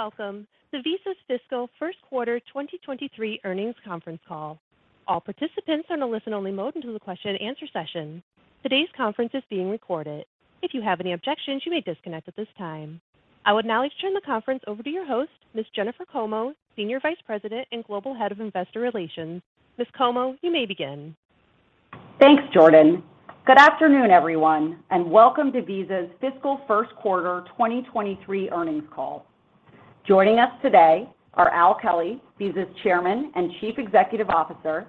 Welcome to Visa's Fiscal First Quarter 2023 Earnings Conference Call. All participants are in a listen-only mode until the question-and-answer session. Today's conference is being recorded. If you have any objections, you may disconnect at this time. I would now like to turn the conference over to your host, Ms. Jennifer Como, Senior Vice President and Global Head of Investor Relations. Ms. Como, you may begin. Thanks, Jordan. Good afternoon, everyone. Welcome to Visa's Fiscal First Quarter 2023 earnings call. Joining us today are Al Kelly, Visa's Chairman and Chief Executive Officer,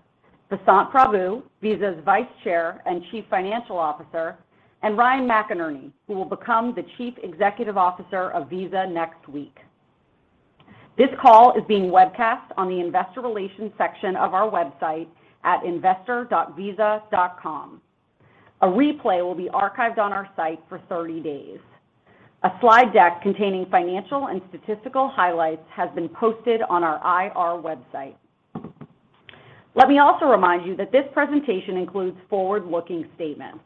Vasant Prabhu, Visa's Vice Chair and Chief Financial Officer. Ryan McInerney, who will become the Chief Executive Officer of Visa next week. This call is being webcast on the investor relations section of our website at investor.visa.com. A replay will be archived on our site for 30 days. A slide deck containing financial and statistical highlights has been posted on our IR website. Let me also remind you that this presentation includes forward-looking statements.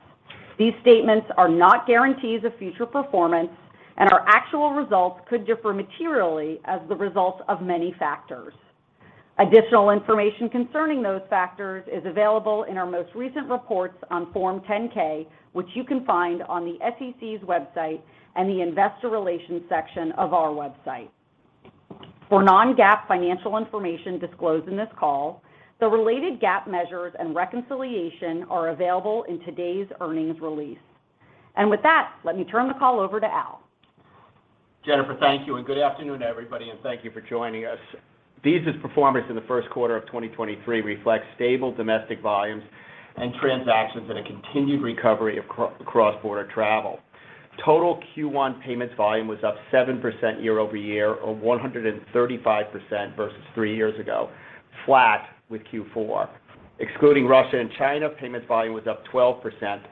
These statements are not guarantees of future performance. Our actual results could differ materially as the result of many factors. Additional information concerning those factors is available in our most recent reports on Form 10-K, which you can find on the SEC's website and the investor relations section of our website. For non-GAAP financial information disclosed in this call, the related GAAP measures and reconciliation are available in today's earnings release. With that, let me turn the call over to Al. Jennifer, thank you. Good afternoon, everybody, thank you for joining us. Visa's performance in the first quarter of 2023 reflects stable domestic volumes and transactions and a continued recovery of cross-border travel. Total Q1 payments volume was up 7% year-over-year or 135% versus three years ago, flat with Q4. Excluding Russia and China, payments volume was up 12%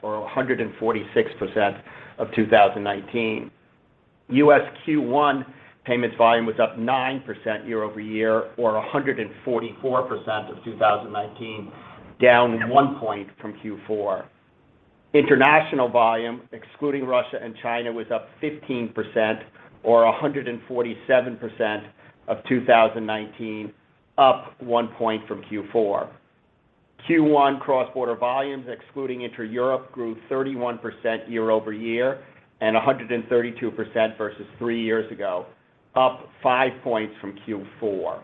or 146% of 2019. U.S. Q1 payments volume was up 9% year-over-year or 144% of 2019, down 1 point from Q4. International volume, excluding Russia and China, was up 15% or 147% of 2019, up 1 point from Q4. Q1 cross-border volumes, excluding intra-Europe, grew 31% year-over-year and 132% versus three years ago, up five points from Q4.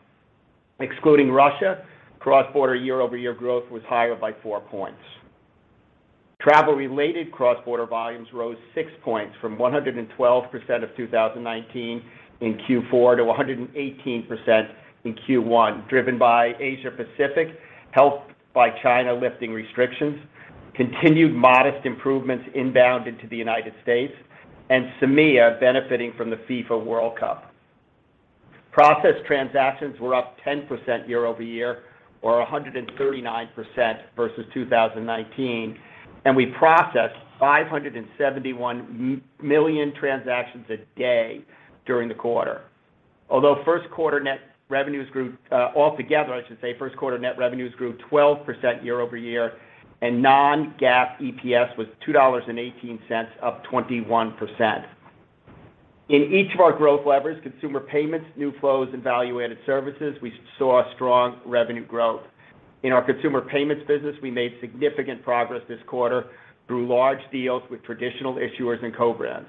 Excluding Russia, cross-border year-over-year growth was higher by four points. Travel-related cross-border volumes rose six points from 112% of 2019 in Q4 to 118% in Q1, driven by Asia-Pacific, helped by China lifting restrictions, continued modest improvements inbound into the United States, and MEA benefiting from the FIFA World Cup. Processed transactions were up 10% year-over-year or 139% versus 2019, and we processed 571 million transactions a day during the quarter. Although first quarter net revenues grew, altogether, I should say, first quarter net revenues grew 12% year-over-year, and non-GAAP EPS was $2.18, up 21%. In each of our growth levers, consumer payments, new flows, and value-added services, we saw strong revenue growth. In our consumer payments business, we made significant progress this quarter through large deals with traditional issuers and co-brands.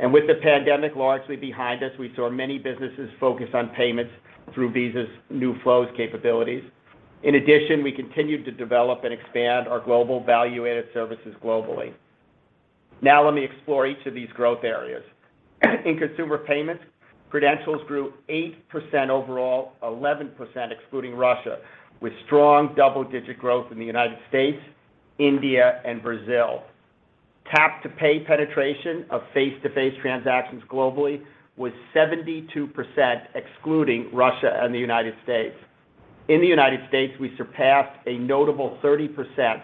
With the pandemic largely behind us, we saw many businesses focus on payments through Visa's new flows capabilities. In addition, we continued to develop and expand our global value-added services globally. Let me explore each of these growth areas. In consumer payments, credentials grew 8% overall, 11% excluding Russia, with strong double-digit growth in the United States, India, and Brazil. Tap to pay penetration of face-to-face transactions globally was 72% excluding Russia and the United States. In the U.S., we surpassed a notable 30%,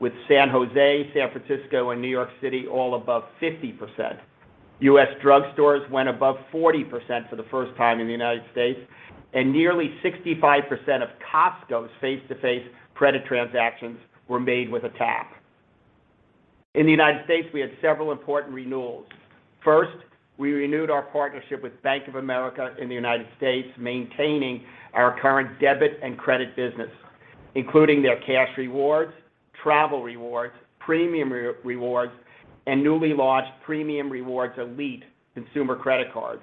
with San Jose, San Francisco, and New York City all above 50%. U.S. drugstores went above 40% for the first time in the U.S., nearly 65% of Cuscal's face-to-face credit transactions were made with a tap. In the U.S., we had several important renewals. First, we renewed our partnership with Bank of America in the U.S., maintaining our current debit and credit business, including their cash rewards, travel rewards, premium rewards, and newly launched premium rewards elite consumer credit cards.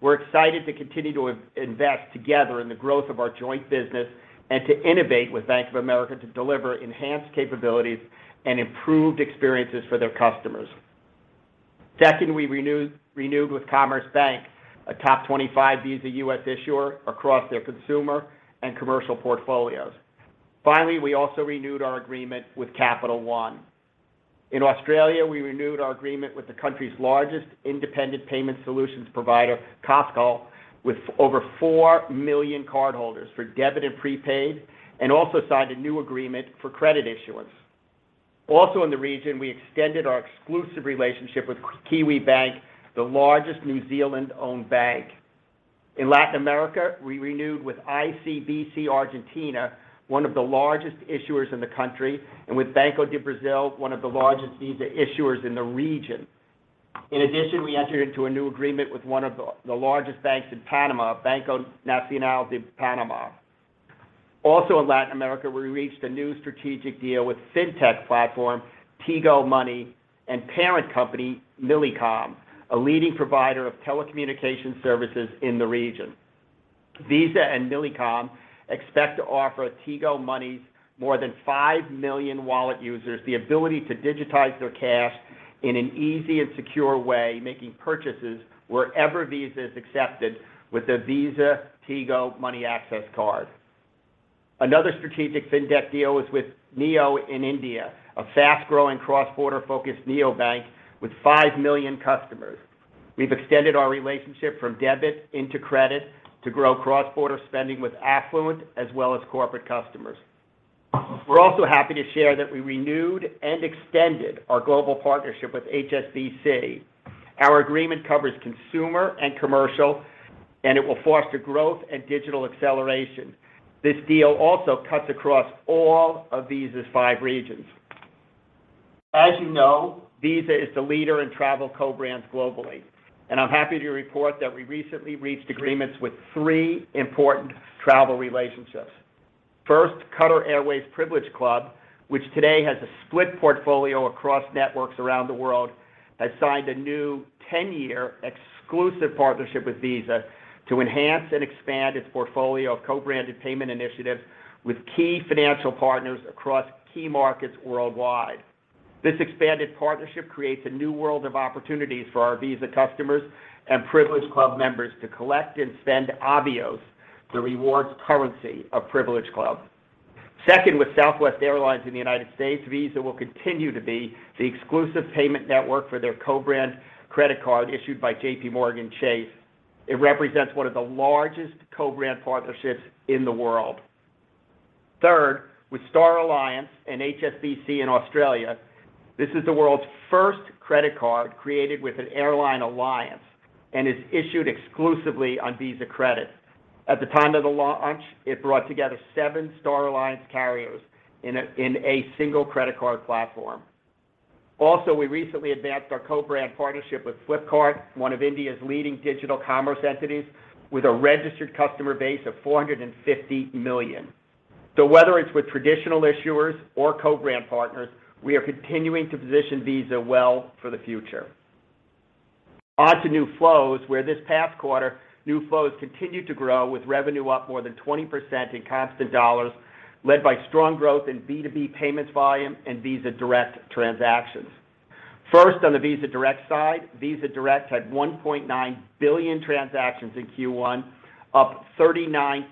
We're excited to continue to invest together in the growth of our joint business and to innovate with Bank of America to deliver enhanced capabilities and improved experiences for their customers. Second, we renewed with Commerce Bank, a top 25 Visa U.S. issuer across their consumer and commercial portfolios. Finally, we also renewed our agreement with Capital One. In Australia, we renewed our agreement with the country's largest independent payment solutions provider, Cuscal, with over four million cardholders for debit and prepaid, and also signed a new agreement for credit issuance. Also in the region, we extended our exclusive relationship with Kiwibank, the largest New Zealand-owned bank. In Latin America, we renewed with ICBC Argentina, one of the largest issuers in the country, and with Banco do Brasil, one of the largest Visa issuers in the region. In addition, we entered into a new agreement with one of the largest banks in Panama, Banco Nacional de Panamá. Also in Latin America, we reached a new strategic deal with Fintech platform, Tigo Money, and parent company, Millicom, a leading provider of telecommunication services in the region. Visa and Millicom expect to offer Tigo Money's more than five million wallet users the ability to digitize their cash in an easy and secure way, making purchases wherever Visa is accepted with the Visa Tigo Money access card. Another strategic Fintech deal is with Niyo in India, a fast-growing cross-border focused neobank with five million customers. We've extended our relationship from debit into credit to grow cross-border spending with affluent as well as corporate customers. We're also happy to share that we renewed and extended our global partnership with HSBC. Our agreement covers consumer and commercial. It will foster growth and digital acceleration. This deal also cuts across all of Visa's five regions. As you know, Visa is the leader in travel co-brands globally. I'm happy to report that we recently reached agreements with three important travel relationships. Qatar Airways Privilege Club, which today has a split portfolio across networks around the world, has signed a new 10-year exclusive partnership with Visa to enhance and expand its portfolio of co-branded payment initiatives with key financial partners across key markets worldwide. This expanded partnership creates a new world of opportunities for our Visa customers and Privilege Club members to collect and spend Avios, the rewards currency of Privilege Club. With Southwest Airlines in the United States, Visa will continue to be the exclusive payment network for their co-brand credit card issued by JPMorgan Chase. It represents one of the largest co-brand partnerships in the world. With Star Alliance and HSBC in Australia, this is the world's first credit card created with an airline alliance, and is issued exclusively on Visa credit. At the time of the launch, it brought together seven Star Alliance carriers in a single credit card platform. We recently advanced our co-brand partnership with Flipkart, one of India's leading digital commerce entities, with a registered customer base of 450 million. Whether it's with traditional issuers or co-brand partners, we are continuing to position Visa well for the future. On to new flows, where this past quarter, new flows continued to grow with revenue up more than 20% in constant dollars, led by strong growth in B2B payments volume and Visa Direct transactions. First, on the Visa Direct side, Visa Direct had 1.9 billion transactions in Q1, up 39%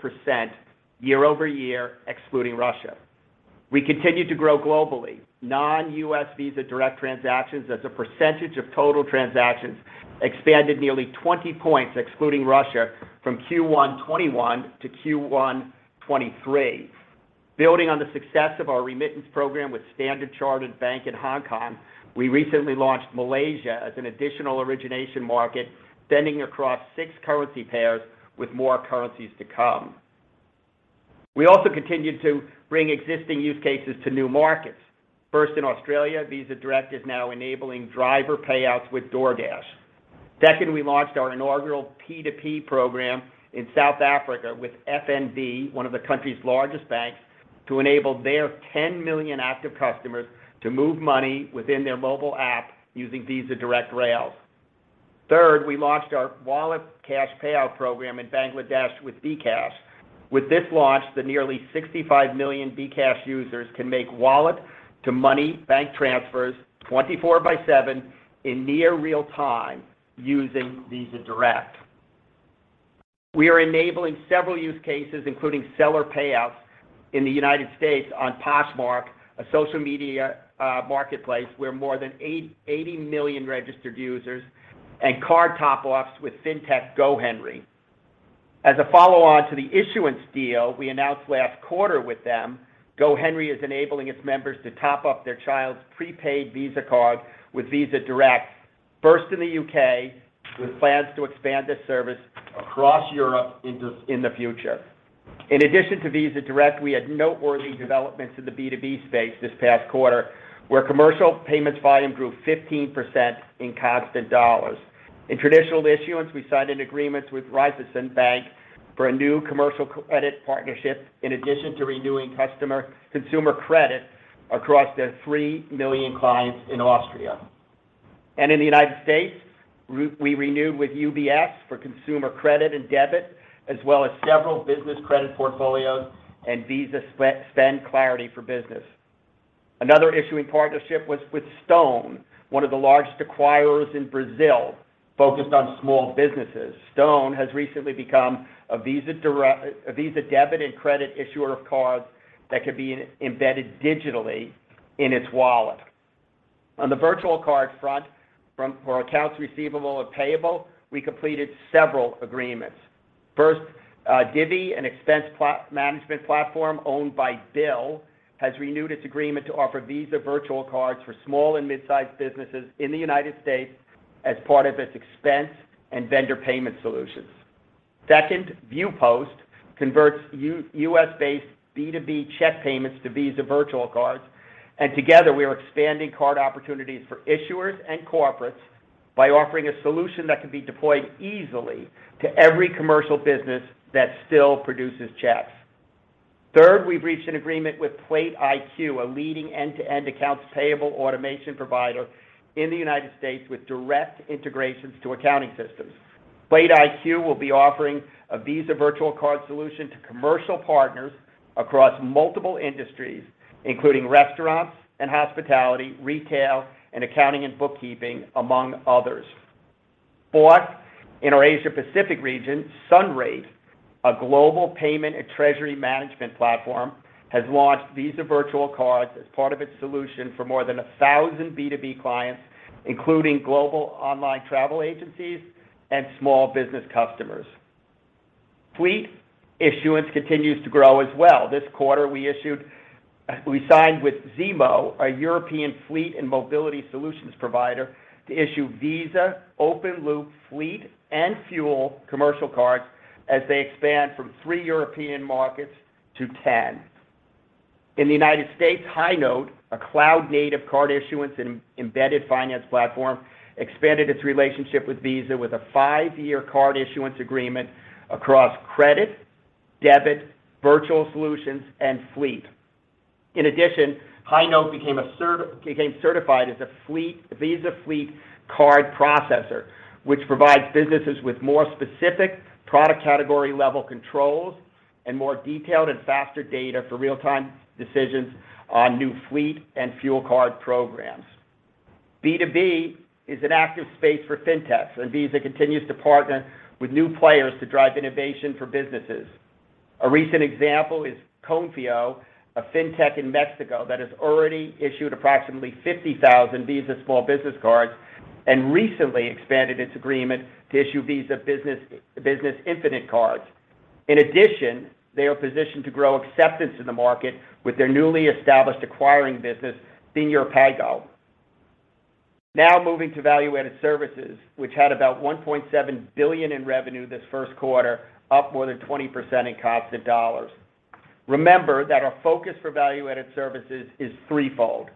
year-over-year, excluding Russia. We continued to grow globally. Non-U.S. Visa Direct transactions, as a percentage of total transactions, expanded nearly 20 points, excluding Russia, from Q1 2021 to Q1 2023. Building on the success of our remittance program with Standard Chartered Bank in Hong Kong, we recently launched Malaysia as an additional origination market, sending across six currency pairs with more currencies to come. We also continued to bring existing use cases to new markets. First, in Australia, Visa Direct is now enabling driver payouts with DoorDash. Second, we launched our inaugural P2P program in South Africa with FNB, one of the country's largest banks, to enable their 10 million active customers to move money within their mobile app using Visa Direct rails. Third, we launched our wallet cash payout program in Bangladesh with bKash. With this launch, the nearly $65 million bKash users can make wallet-to-money bank transfers 24/7 in near real time using Visa Direct. We are enabling several use cases, including seller payouts in the United States on Poshmark, a social media marketplace, where more than 80 million registered users and card top-offs with Fintech GoHenry. As a follow-on to the issuance deal we announced last quarter with them, GoHenry is enabling its members to top up their child's prepaid Visa card with Visa Direct first in the U.K., with plans to expand this service across Europe in the future. In addition to Visa Direct, we had noteworthy developments in the B2B space this past quarter, where commercial payments volume grew 15% in constant dollars. In traditional issuance, we signed an agreement with Raiffeisen Bank for a new commercial credit partnership, in addition to renewing consumer credit across their three million clients in Austria. In the United States, we renewed with UBS for consumer credit and debit, as well as several business credit portfolios and Visa Spend Clarity for business. Another issuing partnership was with Stone, one of the largest acquirers in Brazil, focused on small businesses. Stone has recently become a Visa debit and credit issuer of cards that could be embedded digitally in its wallet. On the virtual card front, for accounts receivable and payable, we completed several agreements. First, Divvy, an expense management platform owned by Bill, has renewed its agreement to offer Visa virtual cards for small and mid-sized businesses in the United States as part of its expense and vendor payment solutions. Second, Viewpost converts U.S.-based B2B check payments to Visa virtual cards. Together, we are expanding card opportunities for issuers and corporates by offering a solution that can be deployed easily to every commercial business that still produces checks. Third, we've reached an agreement with Plate IQ, a leading end-to-end accounts payable automation provider in the United States with direct integrations to accounting systems. Plate IQ will be offering a Visa virtual card solution to commercial partners across multiple industries, including restaurants and hospitality, retail, and accounting and bookkeeping, among others. Fourth, in our Asia-Pacific region, SUNRATE, a global payment and treasury management platform, has launched Visa virtual cards as part of its solution for more than 1,000 B2B clients, including global online travel agencies and small business customers. Fleet issuance continues to grow as well. This quarter, we signed with Zemo, a European fleet and mobility solutions provider, to issue Visa open-loop fleet and fuel commercial cards as they expand from three European markets to 10. In the United States, Highnote, a cloud-native card issuance and embedded finance platform, expanded its relationship with Visa with a five-year card issuance agreement across credit, debit, virtual solutions, and fleet. In addition, Highnote became certified as a Visa Fleet Card Processor, which provides businesses with more specific product category level controls and more detailed and faster data for real-time decisions on new fleet and fuel card programs. B2B is an active space for fintechs. Visa continues to partner with new players to drive innovation for businesses. A recent example is Konfío, a fintech in Mexico that has already issued approximately 50,000 Visa small business cards and recently expanded its agreement to issue Visa Business Infinite cards. In addition, they are positioned to grow acceptance in the market with their newly established acquiring business, Sr.Pago. Moving to value-added services, which had about $1.7 billion in revenue this first quarter, up more than 20% in constant dollars. Remember that our focus for value-added services is threefold.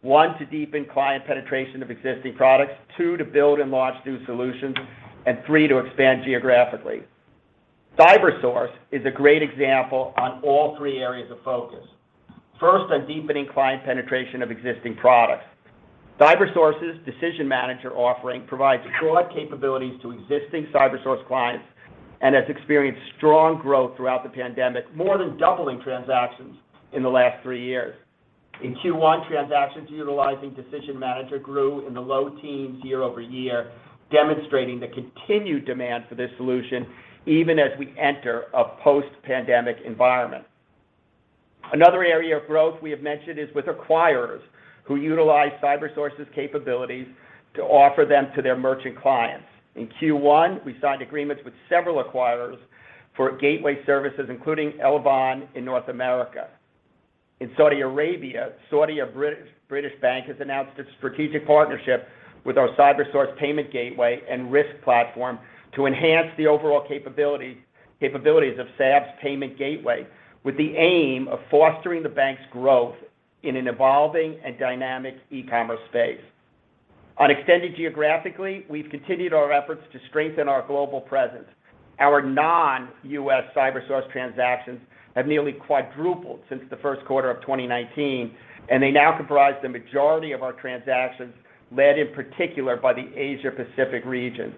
One, to deepen client penetration of existing products. Two, to build and launch new solutions. Three, to expand geographically. Cybersource is a great example on all three areas of focus. First, on deepening client penetration of existing products. Cybersource's Decision Manager offering provides broad capabilities to existing Cybersource clients and has experienced strong growth throughout the pandemic, more than doubling transactions in the last three years. In Q1, transactions utilizing Decision Manager grew in the low teens year-over-year, demonstrating the continued demand for this solution even as we enter a post-pandemic environment. Another area of growth we have mentioned is with acquirers who utilize Cybersource's capabilities to offer them to their merchant clients. In Q1, we signed agreements with several acquirers for gateway services, including Elavon in North America. In Saudi Arabia, Saudi British Bank has announced its strategic partnership with our Cybersource payment gateway and risk platform to enhance the overall capabilities of SAB's payment gateway, with the aim of fostering the bank's growth in an evolving and dynamic e-commerce space. On extending geographically, we've continued our efforts to strengthen our global presence. Our non-U.S. Cybersource transactions have nearly quadrupled since the first quarter of 2019, and they now comprise the majority of our transactions, led in particular by the Asia-Pacific region.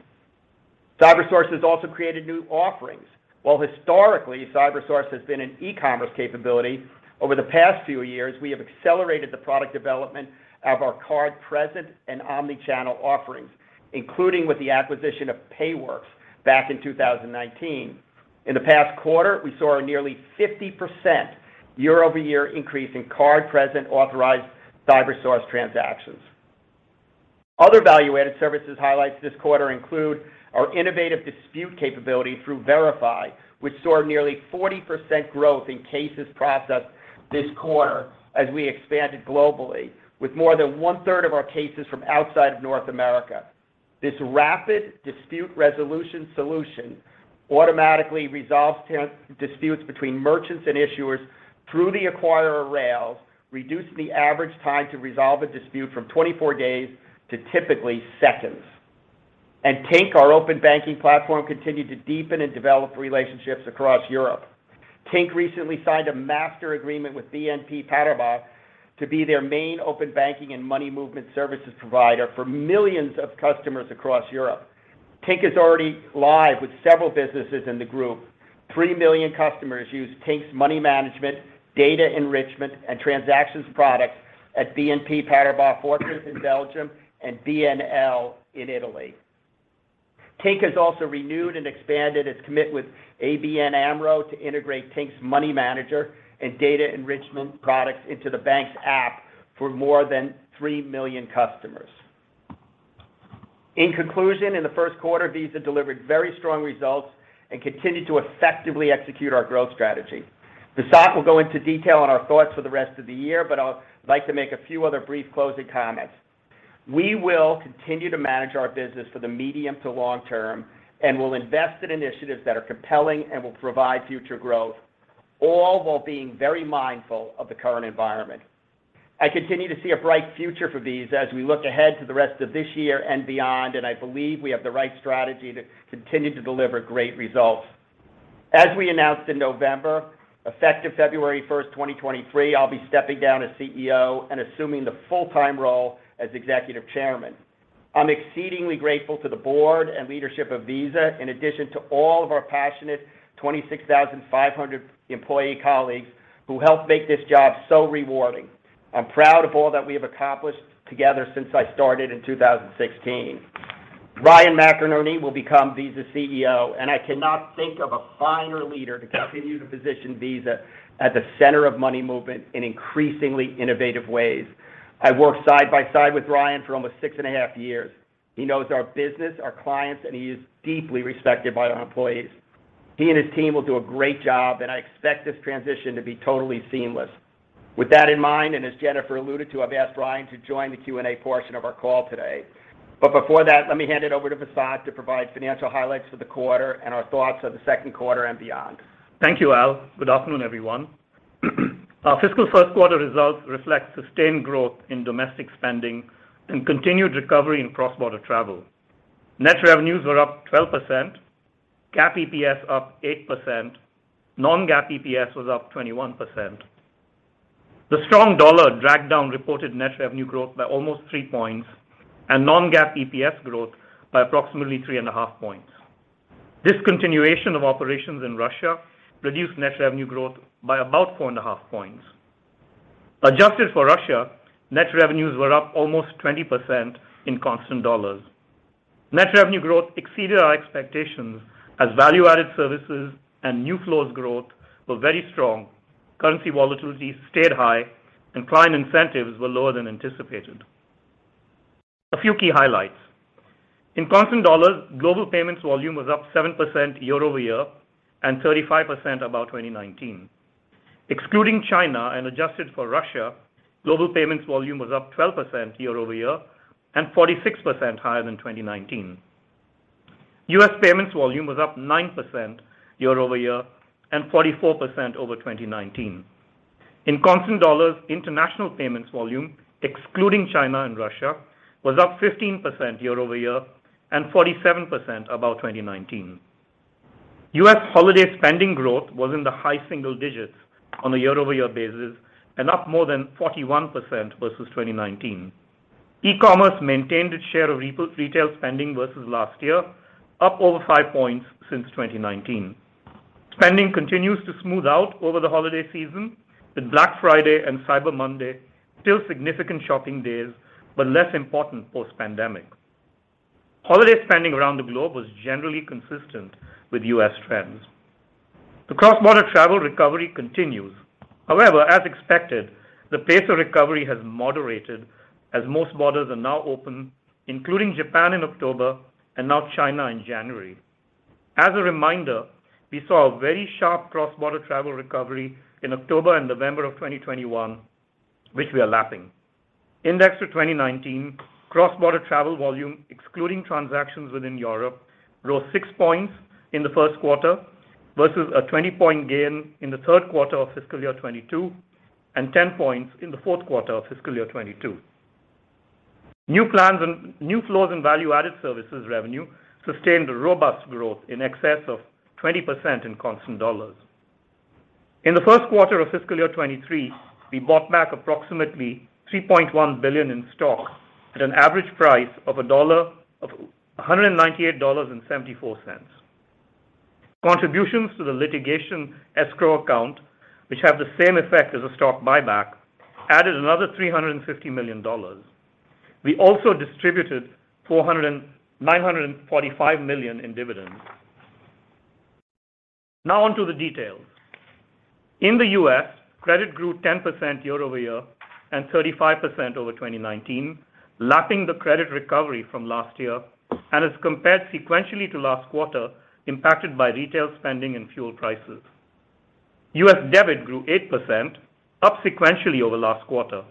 Cybersource has also created new offerings. While historically, Cybersource has been an e-commerce capability, over the past few years, we have accelerated the product development of our card-present and omni-channel offerings, including with the acquisition of Payworks back in 2019. In the past quarter, we saw a nearly 50% year-over-year increase in card-present authorized Cybersource transactions. Other value-added services highlights this quarter include our innovative dispute capability through Verifi, which saw nearly 40% growth in cases processed this quarter as we expanded globally, with more than 1/3 of our cases from outside of North America. This rapid dispute resolution solution automatically resolves disputes between merchants and issuers through the acquirer rails, reducing the average time to resolve a dispute from 24 days to typically seconds. Tink, our open banking platform, continued to deepen and develop relationships across Europe. Tink recently signed a master agreement with BNP Paribas to be their main open banking and money movement services provider for millions of customers across Europe. Tink is already live with several businesses in the group. Three million customers use Tink's money management, data enrichment, and transactions products at BNP Paribas Fortis in Belgium and BNL in Italy. Tink has also renewed and expanded its commit with ABN AMRO to integrate Tink's money manager and data enrichment products into the bank's app for more than three million customers. In conclusion, in the first quarter, Visa delivered very strong results and continued to effectively execute our growth strategy. Vasant will go into detail on our thoughts for the rest of the year, I'd like to make a few other brief closing comments. We will continue to manage our business for the medium to long term, we'll invest in initiatives that are compelling and will provide future growth, all while being very mindful of the current environment. I continue to see a bright future for Visa as we look ahead to the rest of this year and beyond, I believe we have the right strategy to continue to deliver great results. As we announced in November, effective February 1st, 2023, I'll be stepping down as CEO and assuming the full-time role as Executive Chairman. I'm exceedingly grateful to the board and leadership of Visa, in addition to all of our passionate 26,500 employee colleagues who help make this job so rewarding. I'm proud of all that we have accomplished together since I started in 2016. Ryan McInerney will become Visa's CEO. I cannot think of a finer leader to continue to position Visa at the center of money movement in increasingly innovative ways. I've worked side by side with Ryan for almost six and a half years. He knows our business, our clients, and he is deeply respected by our employees. He and his team will do a great job. I expect this transition to be totally seamless. With that in mind, and as Jennifer alluded to, I've asked Ryan to join the Q&A portion of our call today. Before that, let me hand it over to Vasant to provide financial highlights for the quarter and our thoughts for the second quarter and beyond. Thank you, Al. Good afternoon, everyone. Our fiscal first quarter results reflect sustained growth in domestic spending and continued recovery in cross-border travel. Net revenues were up 12%, GAAP EPS up 8%, non-GAAP EPS was up 21%. The strong dollar dragged down reported net revenue growth by almost three points and non-GAAP EPS growth by approximately 3.5 points. Discontinuation of operations in Russia reduced net revenue growth by about 4.5 points. Adjusted for Russia, net revenues were up almost 20% in constant dollars. Net revenue growth exceeded our expectations as value-added services and new flows growth were very strong, currency volatility stayed high, and client incentives were lower than anticipated. A few key highlights. In constant dollars, global payments volume was up 7% year-over-year and 35% above 2019. Excluding China and adjusted for Russia, global payments volume was up 12% year-over-year and 46% higher than 2019. U.S. payments volume was up 9% year-over-year and 44% over 2019. In constant dollars, international payments volume, excluding China and Russia, was up 15% year-over-year and 47% above 2019. U.S. holiday spending growth was in the high single digits on a year-over-year basis and up more than 41% versus 2019. E-commerce maintained its share of retail spending versus last year, up over five points since 2019. Spending continues to smooth out over the holiday season, with Black Friday and Cyber Monday still significant shopping days, but less important post-pandemic. Holiday spending around the globe was generally consistent with U.S. trends. The cross-border travel recovery continues. However, as expected, the pace of recovery has moderated as most borders are now open, including Japan in October and now China in January. As a reminder, we saw a very sharp cross-border travel recovery in October and November of 2021, which we are lapping. Indexed to 2019, cross-border travel volume, excluding transactions within Europe, rose 6 points in the first quarter versus a 20-point gain in the third quarter of fiscal year 2022 and 10 points in the fourth quarter of fiscal year 2022. New plans and new flows in value-added services revenue sustained a robust growth in excess of 20% in constant dollars. In the first quarter of fiscal year 2023, we bought back approximately $3.1 billion in stock at an average price of a dollar of $198.74. Contributions to the litigation escrow account, which have the same effect as a stock buyback, added another $350 million. We also distributed $400 and $945 million in dividends. On to the details. In the U.S., credit grew 10% year-over-year and 35% over 2019, lapping the credit recovery from last year and as compared sequentially to last quarter, impacted by retail spending and fuel prices. U.S. debit grew 8%, up sequentially over last quarter.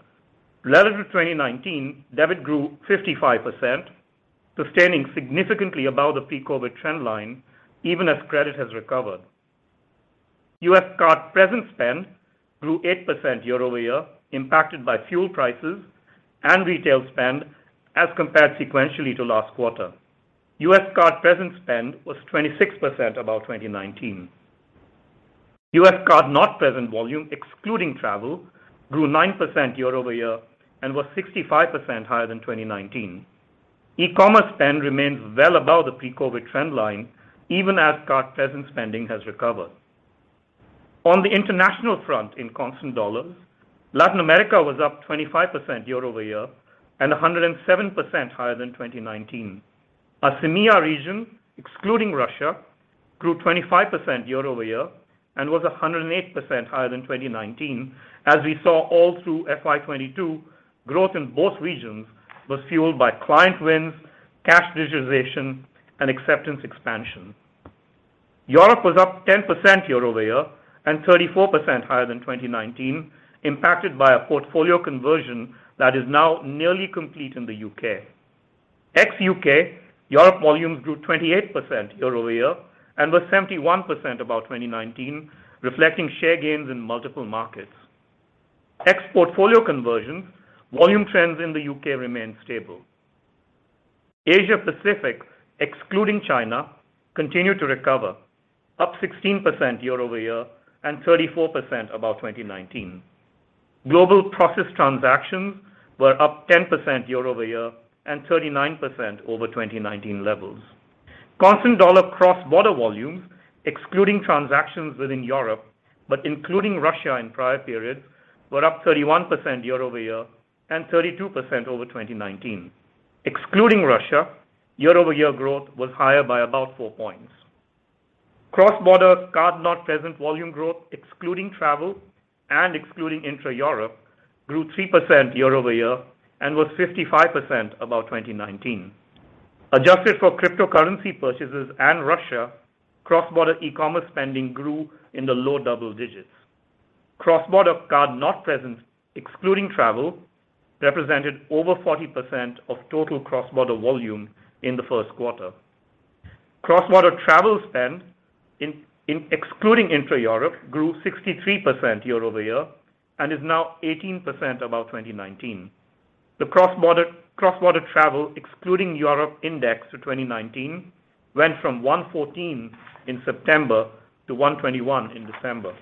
Relative to 2019, debit grew 55%, sustaining significantly above the pre-COVID trend line, even as credit has recovered. U.S. card-present spend grew 8% year-over-year, impacted by fuel prices and retail spend as compared sequentially to last quarter. U.S. card-present spend was 26% above 2019. U.S. card-not-present volume, excluding travel, grew 9% year-over-year and was 65% higher than 2019. E-commerce spend remains well above the pre-COVID trend line, even as card-present spending has recovered. On the international front, in constant dollars, Latin America was up 25% year-over-year and 107% higher than 2019. Our CEMEA region, excluding Russia, grew 25% year-over-year and was 108% higher than 2019. As we saw all through FY 2022, growth in both regions was fueled by client wins, cash digitization, and acceptance expansion. Europe was up 10% year-over-year and 34% higher than 2019, impacted by a portfolio conversion that is now nearly complete in the U.K. Ex-U.K., Europe volumes grew 28% year-over-year and was 71% above 2019, reflecting share gains in multiple markets. Ex portfolio conversion, volume trends in the U.K. remain stable. Asia Pacific, excluding China, continued to recover, up 16% year-over-year and 34% above 2019. Global process transactions were up 10% year-over-year and 39% over 2019 levels. Constant dollar cross-border volumes, excluding transactions within Europe, but including Russia in prior periods, were up 31% year-over-year and 32% over 2019. Excluding Russia, year-over-year growth was higher by about four points. Cross-border card not present volume growth, excluding travel and excluding intra-Europe, grew 3% year-over-year and was 55% above 2019. Adjusted for cryptocurrency purchases and Russia, cross-border e-commerce spending grew in the low double digits. Cross-border card not present, excluding travel, represented over 40% of total cross-border volume in the first quarter. Cross-border travel spend in excluding intra-Europe grew 63% year-over-year and is now 18% above 2019. The cross-border travel excluding Europe index to 2019 went from 114 in September to 121 in December.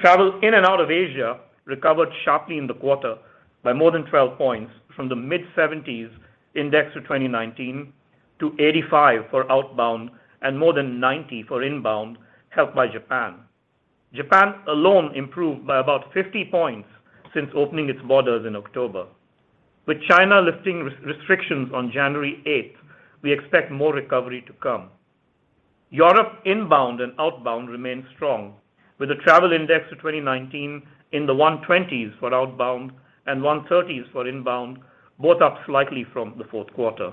Travel in and out of Asia recovered sharply in the quarter by more than 12 points from the mid-70s index to 2019 to 85 for outbound and more than 90 for inbound helped by Japan. Japan alone improved by about 50 points since opening its borders in October. With China lifting restrictions on January eighth, we expect more recovery to come. Europe inbound and outbound remain strong, with a travel index to 2019 in the 120s for outbound and 130s for inbound, both up slightly from the fourth quarter.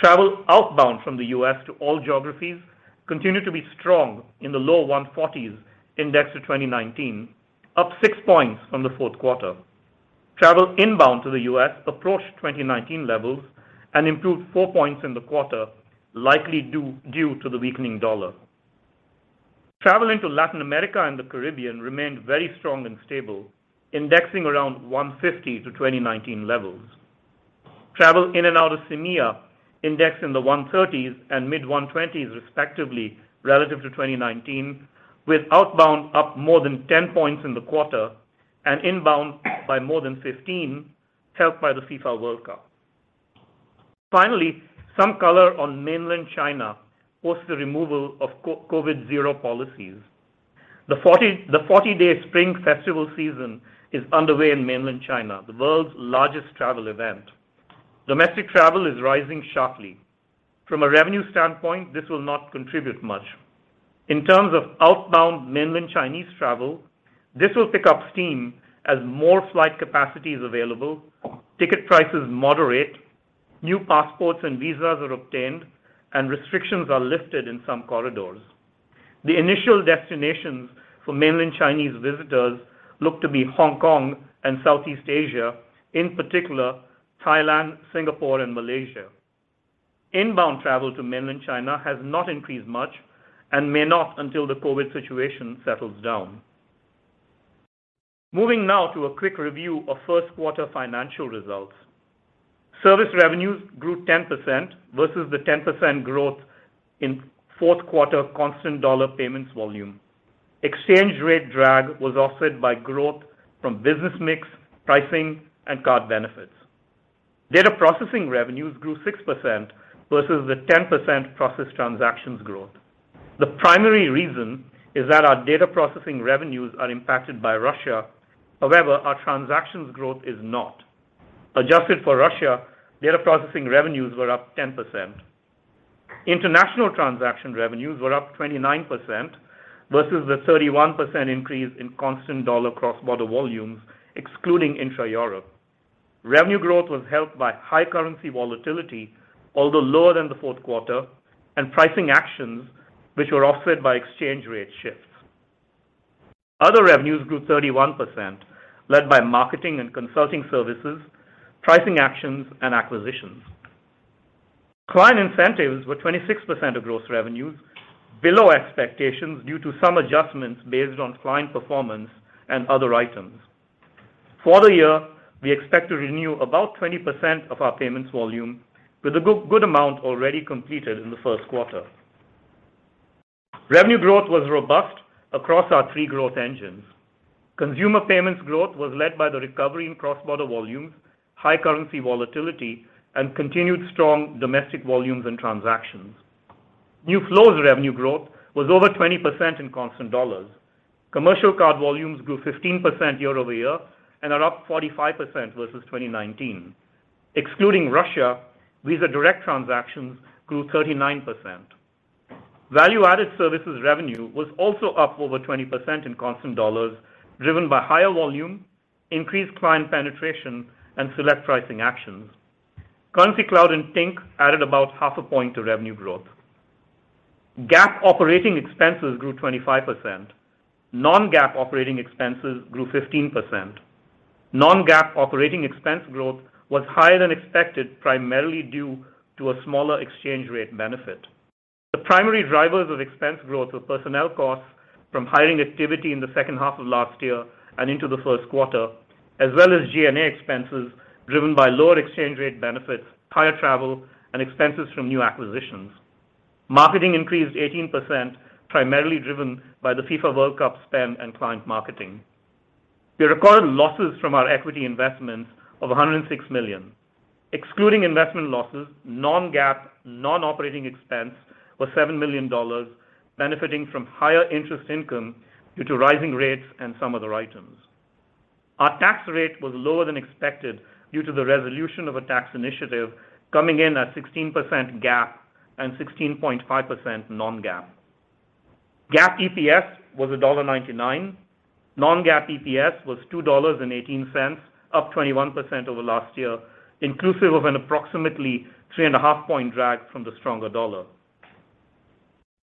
Travel outbound from the U.S. to all geographies continued to be strong in the low 140s index to 2019, up six points from the fourth quarter. Travel inbound to the U.S. approached 2019 levels and improved four points in the quarter, likely due to the weakening dollar. Travel into Latin America and the Caribbean remained very strong and stable, indexing around 150 to 2019 levels. Travel in and out of CEMEA indexed in the 130s and mid 120s respectively relative to 2019, with outbound up more than 10 points in the quarter and inbound by more than 15, helped by the FIFA World Cup. Some color on mainland China post the removal of COVID zero policies. The 40-day Spring Festival season is underway in mainland China, the world's largest travel event. Domestic travel is rising sharply. From a revenue standpoint, this will not contribute much. In terms of outbound mainland Chinese travel, this will pick up steam as more flight capacity is available, ticket prices moderate, new passports and visas are obtained, and restrictions are lifted in some corridors. The initial destinations for mainland Chinese visitors look to be Hong Kong and Southeast Asia, in particular Thailand, Singapore and Malaysia. Inbound travel to mainland China has not increased much and may not until the COVID situation settles down. Moving now to a quick review of first quarter financial results. Service revenues grew 10% versus the 10% growth in fourth quarter constant dollar payments volume. Exchange rate drag was offset by growth from business mix, pricing, and card benefits. Data processing revenues grew 6% versus the 10% processed transactions growth. The primary reason is that our data processing revenues are impacted by Russia. Our transactions growth is not. Adjusted for Russia, data processing revenues were up 10%. International transaction revenues were up 29% versus the 31% increase in constant dollar cross-border volumes excluding intra-Europe. Revenue growth was helped by high currency volatility, although lower than the fourth quarter, and pricing actions which were offset by exchange rate shifts. Other revenues grew 31%, led by marketing and consulting services, pricing actions and acquisitions. Client incentives were 26% of gross revenues, below expectations due to some adjustments based on client performance and other items. For the year, we expect to renew about 20% of our payments volume with a good amount already completed in the first quarter. Revenue growth was robust across our three growth engines. Consumer payments growth was led by the recovery in cross-border volumes, high currency volatility and continued strong domestic volumes and transactions. New flows revenue growth was over 20% in constant dollars. Commercial card volumes grew 15% year-over-year and are up 45% versus 2019. Excluding Russia, Visa Direct transactions grew 39%. Value-added services revenue was also up over 20% in constant dollars, driven by higher volume, increased client penetration and select pricing actions. Currencycloud and Tink added about half a point to revenue growth. GAAP operating expenses grew 25%. Non-GAAP operating expenses grew 15%. Non-GAAP operating expense growth was higher than expected, primarily due to a smaller exchange rate benefit. The primary drivers of expense growth were personnel costs from hiring activity in the second half of last year and into the first quarter, as well as G&A expenses driven by lower exchange rate benefits, higher travel and expenses from new acquisitions. Marketing increased 18%, primarily driven by the FIFA World Cup spend and client marketing. We recorded losses from our equity investments of $106 million. Excluding investment losses, non-GAAP, non-operating expense was $7 million, benefiting from higher interest income due to rising rates and some other items. Our tax rate was lower than expected due to the resolution of a tax initiative coming in at 16% GAAP and 16.5% non-GAAP. GAAP EPS was $1.99. Non-GAAP EPS was $2.18, up 21% over last year, inclusive of an approximately 3.5 point drag from the stronger dollar.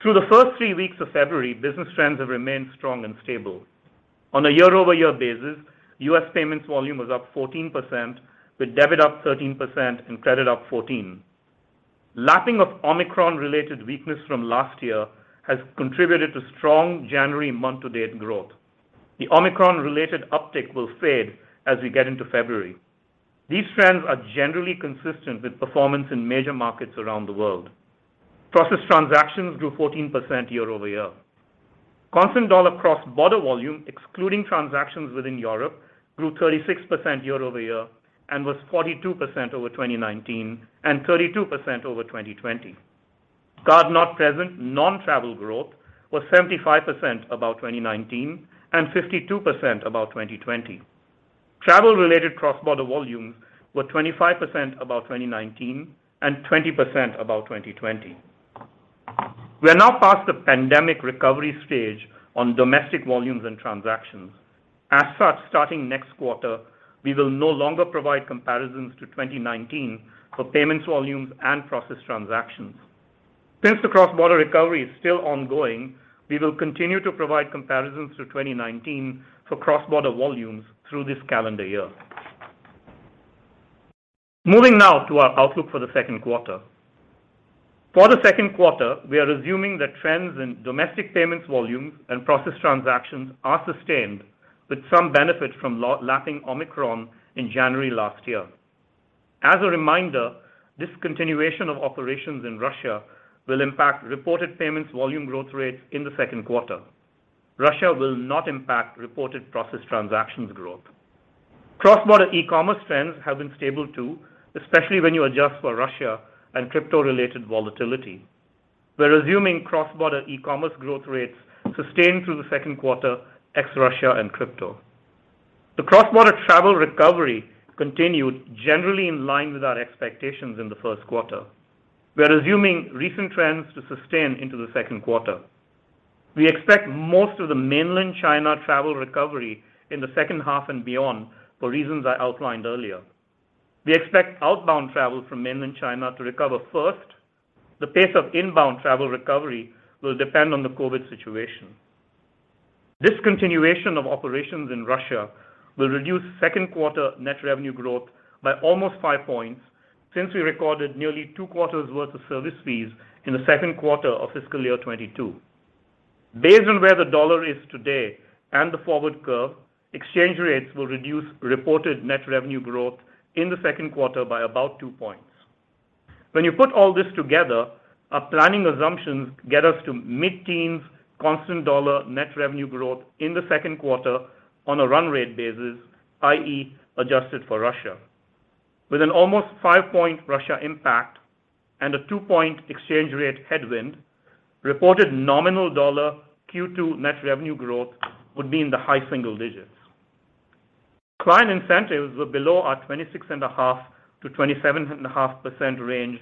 Through the first three weeks of January, business trends have remained strong and stable. On a year-over-year basis, U.S. payments volume was up 14%, with debit up 13% and credit up 14%. Lapping of Omicron-related weakness from last year has contributed to strong January month-to-date growth. The Omicron-related uptick will fade as we get into February. These trends are generally consistent with performance in major markets around the world. Processed transactions grew 14% year-over-year. Constant dollar cross-border volume, excluding transactions within Europe, grew 36% year-over-year and was 42% over 2019 and 32% over 2020. Card not present non-travel growth was 75% above 2019 and 52% above 2020. Travel-related cross-border volumes were 25% above 2019 and 20% above 2020. We are now past the pandemic recovery stage on domestic volumes and transactions. As such, starting next quarter, we will no longer provide comparisons to 2019 for payments volumes and processed transactions. Since the cross-border recovery is still ongoing, we will continue to provide comparisons to 2019 for cross-border volumes through this calendar year. Moving now to our outlook for the second quarter. For the second quarter, we are assuming that trends in domestic payments volumes and processed transactions are sustained with some benefit from lapping Omicron in January last year. As a reminder, discontinuation of operations in Russia will impact reported payments volume growth rates in the second quarter. Russia will not impact reported processed transactions growth. Cross-border e-commerce trends have been stable too, especially when you adjust for Russia and crypto-related volatility. We're assuming cross-border e-commerce growth rates sustained through the second quarter, ex Russia and crypto. The cross-border travel recovery continued generally in line with our expectations in the first quarter. We are assuming recent trends to sustain into the second quarter. We expect most of the mainland China travel recovery in the second half and beyond for reasons I outlined earlier. We expect outbound travel from mainland China to recover first. The pace of inbound travel recovery will depend on the COVID situation. Discontinuation of operations in Russia will reduce second quarter net revenue growth by almost five points since we recorded nearly two quarters' worth of service fees in the second quarter of fiscal year 2022. Based on where the dollar is today and the forward curve, exchange rates will reduce reported net revenue growth in the second quarter by about two points. When you put all this together, our planning assumptions get us to mid-teens constant dollar net revenue growth in the second quarter on a run rate basis, i.e., adjusted for Russia. With an almost five-point Russia impact and a two-point exchange rate headwind, reported nominal dollar Q2 net revenue growth would be in the high single digits. Client incentives were below our 26.5%-27.5% range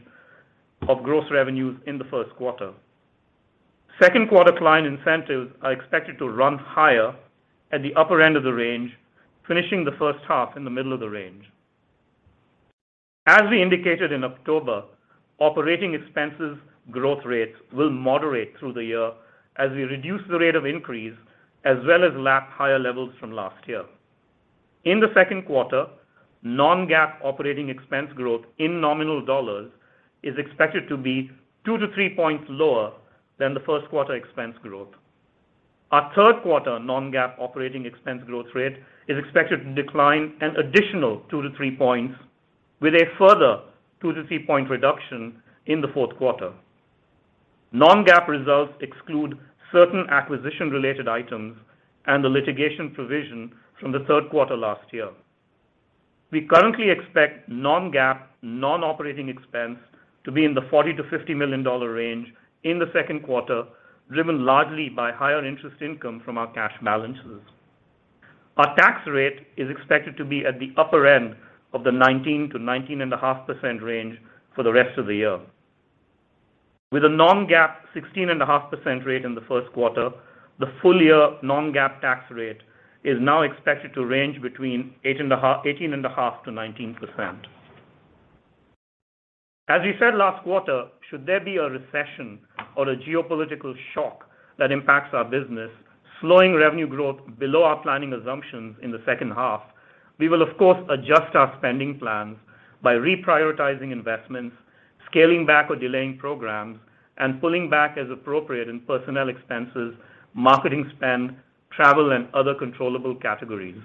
of gross revenues in the first quarter. Second quarter client incentives are expected to run higher at the upper end of the range, finishing the first half in the middle of the range. As we indicated in October, operating expenses growth rates will moderate through the year as we reduce the rate of increase as well as lap higher levels from last year. In the second quarter, non-GAAP operating expense growth in nominal dollars is expected to be two-three points lower than the first quarter expense growth. Our third quarter non-GAAP operating expense growth rate is expected to decline an additional two-three points with a further two-three point reduction in the fourth quarter. Non-GAAP results exclude certain acquisition-related items and the litigation provision from the third quarter last year. We currently expect non-GAAP, non-operating expense to be in the $40 million-$50 million range in the second quarter, driven largely by higher interest income from our cash balances. Our tax rate is expected to be at the upper end of the 19-19.5% range for the rest of the year. With a non-GAAP 16.5% rate in the first quarter, the full-year non-GAAP tax rate is now expected to range between 18.5% to 19%. As we said last quarter, should there be a recession or a geopolitical shock that impacts our business, slowing revenue growth below our planning assumptions in the second half, we will of course adjust our spending plans by reprioritizing investments, scaling back or delaying programs, and pulling back as appropriate in personnel expenses, marketing spend, travel, and other controllable categories.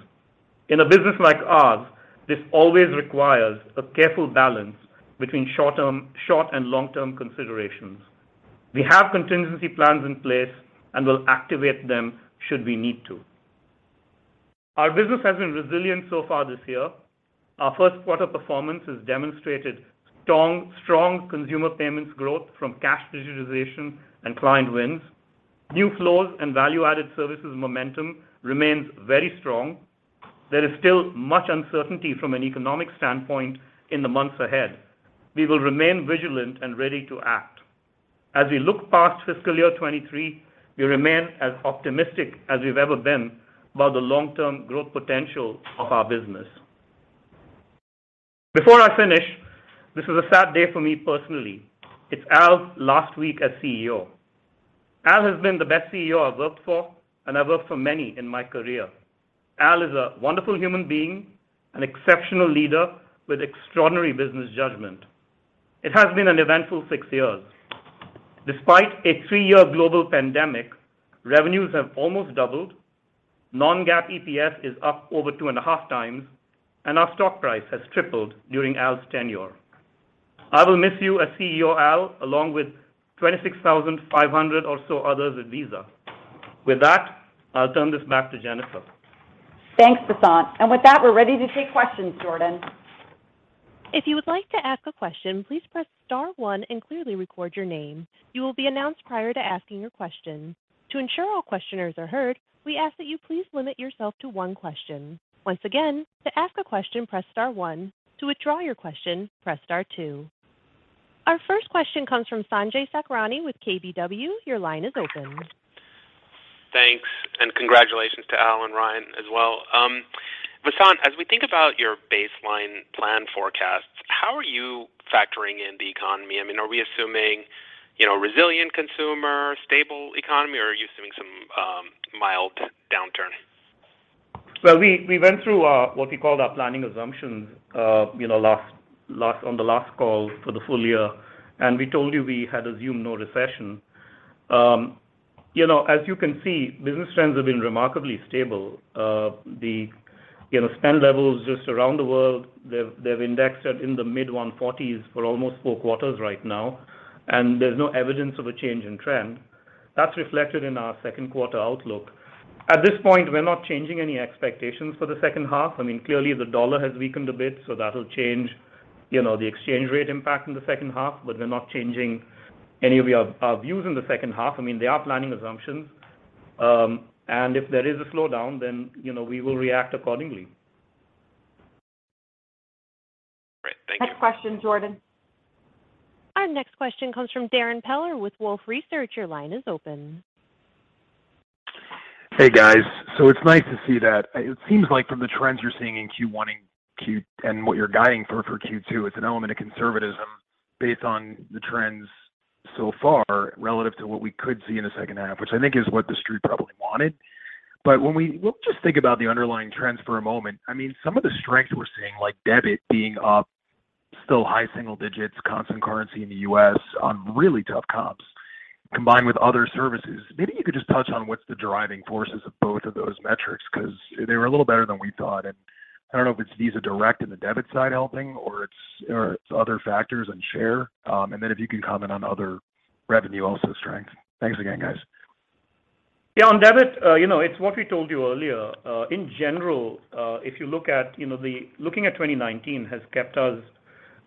In a business like ours, this always requires a careful balance between short and long-term considerations. We have contingency plans in place and will activate them should we need to. Our business has been resilient so far this year. Our first quarter performance has demonstrated strong consumer payments growth from cash digitization and client wins. New flows and value-added services momentum remains very strong. There is still much uncertainty from an economic standpoint in the months ahead. We will remain vigilant and ready to act. As we look past fiscal year 2023, we remain as optimistic as we've ever been about the long-term growth potential of our business. Before I finish, this is a sad day for me personally. It's Al's last week as CEO. Al has been the best CEO I've worked for, and I've worked for many in my career. Al is a wonderful human being, an exceptional leader with extraordinary business judgment. It has been an eventful six years. Despite a three-year global pandemic, revenues have almost doubled, non-GAAP EPS is up over 2.5x, and our stock price has tripled during Al's tenure. I will miss you as CEO, Al, along with 26,500 or so others at Visa. With that, I'll turn this back to Jennifer. Thanks, Vasant. With that, we're ready to take questions, Jordan. If you would like to ask a question, please press star one and clearly record your name. You will be announced prior to asking your question. To ensure all questioners are heard, we ask that you please limit yourself to one question. Once again, to ask a question, press star one. To withdraw your question, press star two. Our first question comes from Sanjay Sakhrani with KBW. Your line is open. Thanks, congratulations to Al and Ryan as well. Vasant, as we think about your baseline plan forecasts, how are you factoring in the economy? I mean, are we assuming, you know, resilient consumer, stable economy, or are you assuming some mild downturn? Well, we went through our, what we call our planning assumptions, you know, on the last call for the full year, and we told you we had assumed no recession. You know, as you can see, business trends have been remarkably stable. The, you know, spend levels just around the world, they've indexed at in the mid 140s for almost four quarters right now, and there's no evidence of a change in trend. That's reflected in our second quarter outlook. At this point, we're not changing any expectations for the second half. I mean, clearly the dollar has weakened a bit, so that'll change, you know, the exchange rate impact in the second half, but we're not changing any of our views in the second half. I mean, they are planning assumptions. If there is a slowdown, you know, we will react accordingly. Great. Thank you. Next question, Jordan. Our next question comes from Darrin Peller with Wolfe Research. Your line is open. Hey, guys. It's nice to see that. It seems like from the trends you're seeing in Q1 and what you're guiding for Q2, it's an element of conservatism based on the trends so far relative to what we could see in the second half, which I think is what the street probably wanted. Let's just think about the underlying trends for a moment. I mean, some of the strength we're seeing, like debit being up still high single digits, constant currency in the U.S. on really tough comps combined with other services. Maybe you could just touch on what's the driving forces of both of those metrics because they were a little better than we thought. I don't know if it's Visa Direct and the debit side helping or it's other factors and share. If you can comment on other revenue also strengths. Thanks again, guys. Yeah, on debit, you know, it's what we told you earlier. In general, if you look at, you know, looking at 2019 has kept us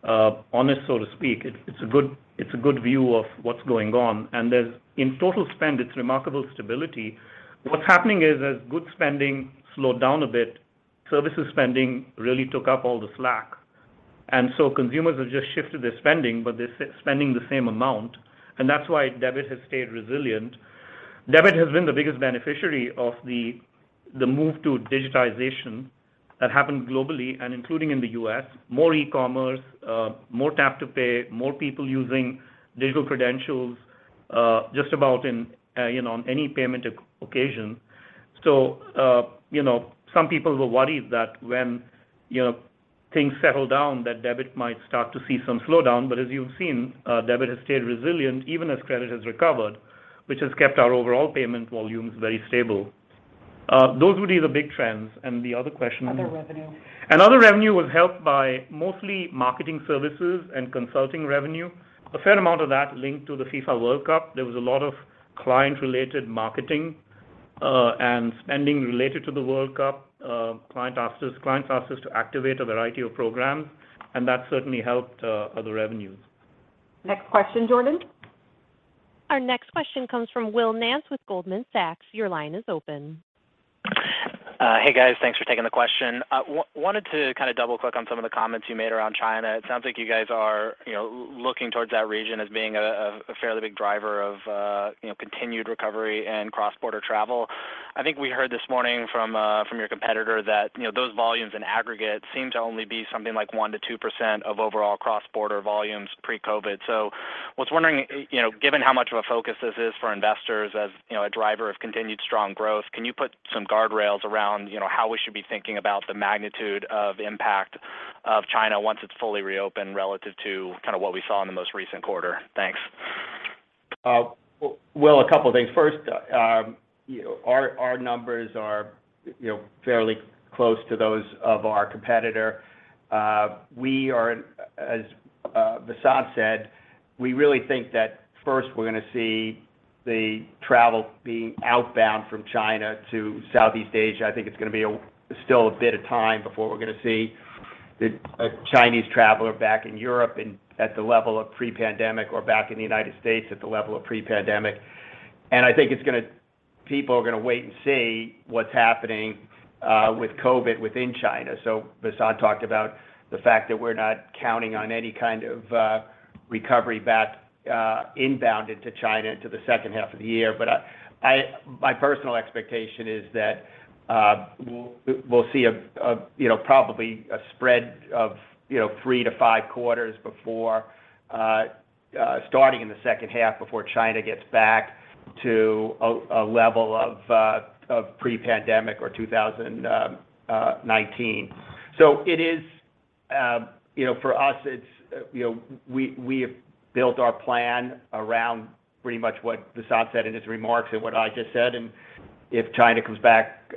honest, so to speak. It's a good view of what's going on. There's in total spend, it's remarkable stability. What's happening is as goods spending slowed down a bit, services spending really took up all the slack. Consumers have just shifted their spending, but they're spending the same amount, and that's why debit has stayed resilient. Debit has been the biggest beneficiary of the move to digitization that happened globally and including in the U.S. More e-commerce, more tap to pay, more people using digital credentials, just about in, you know, on any payment occasion. You know, some people were worried that when, you know, things settle down, that debit might start to see some slowdown. As you've seen, debit has stayed resilient even as credit has recovered, which has kept our overall payment volumes very stable. Those would be the big trends. Other revenue. Other revenue was helped by mostly marketing services and consulting revenue. A fair amount of that linked to the FIFA World Cup. There was a lot of client-related marketing and spending related to the World Cup. Client asked us, clients asked us to activate a variety of programs, and that certainly helped other revenues. Next question, Jordan. Our next question comes from Will Nance with Goldman Sachs. Your line is open. Hey guys, thanks for taking the question. wanted to kind of double-click on some of the comments you made around China. It sounds like you guys are, you know, looking towards that region as being a fairly big driver of, you know, continued recovery and cross-border travel. I think we heard this morning from your competitor that, you know, those volumes in aggregate seem to only be something like 1% to 2% of overall cross-border volumes pre-COVID. was wondering, you know, given how much of a focus this is for investors as, you know, a driver of continued strong growth, can you put some guardrails around, you know, how we should be thinking about the magnitude of impact of China once it's fully reopened relative to kind of what we saw in the most recent quarter? Thanks. Well, a couple of things. First, you know, our numbers are, you know, fairly close to those of our competitor. We are, as Vasant said, we really think that first we're gonna see the travel being outbound from China to Southeast Asia. I think it's gonna be still a bit of time before we're gonna see the Chinese traveler back in Europe and at the level of pre-pandemic or back in the United States at the level of pre-pandemic. People are gonna wait and see what's happening with COVID within China. So Vasant talked about the fact that we're not counting on any kind of recovery back inbound into China into the second half of the year. My personal expectation is that we'll see a, you know, probably a spread of, you know, three-five quarters before starting in the second half before China gets back to a level of pre-pandemic or 2019. It is, you know, for us, it's, you know, we have built our plan around pretty much what Vasant said in his remarks and what I just said. If China comes back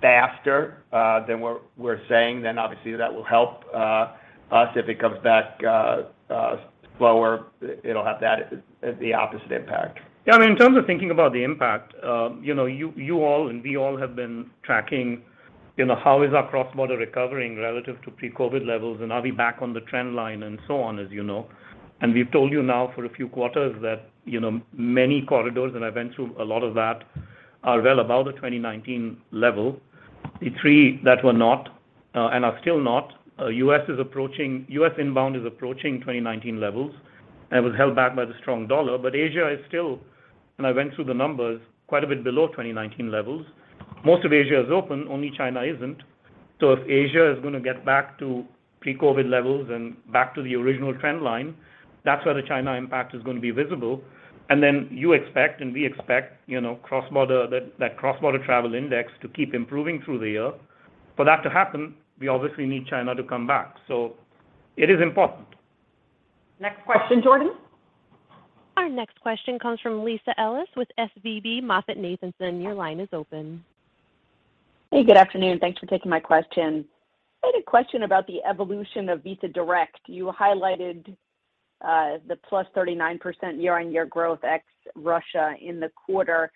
faster than we're saying, then obviously that will help us. If it comes back slower, it'll have that the opposite impact. Yeah, I mean, in terms of thinking about the impact, you know, you all and we all have been tracking, you know, how is our cross-border recovering relative to pre-COVID levels, and are we back on the trend line, and so on, as you know. We've told you now for a few quarters that, you know, many corridors, and I went through a lot of that, are well above the 2019 level. The three that were not, and are still not, U.S. inbound is approaching 2019 levels, and it was held back by the strong dollar. Asia is still, and I went through the numbers, quite a bit below 2019 levels. Most of Asia is open, only China isn't. If Asia is gonna get back to pre-COVID levels and back to the original trend line, that's where the China impact is going to be visible. Then you expect, and we expect, you know, cross-border, that cross-border travel index to keep improving through the year. For that to happen, we obviously need China to come back. It is important. Next question, Jordan. Our next question comes from Lisa Ellis with SVB MoffettNathanson. Your line is open. Hey, good afternoon. Thanks for taking my question. I had a question about the evolution of Visa Direct. You highlighted the +39% year-on-year growth ex Russia in the quarter.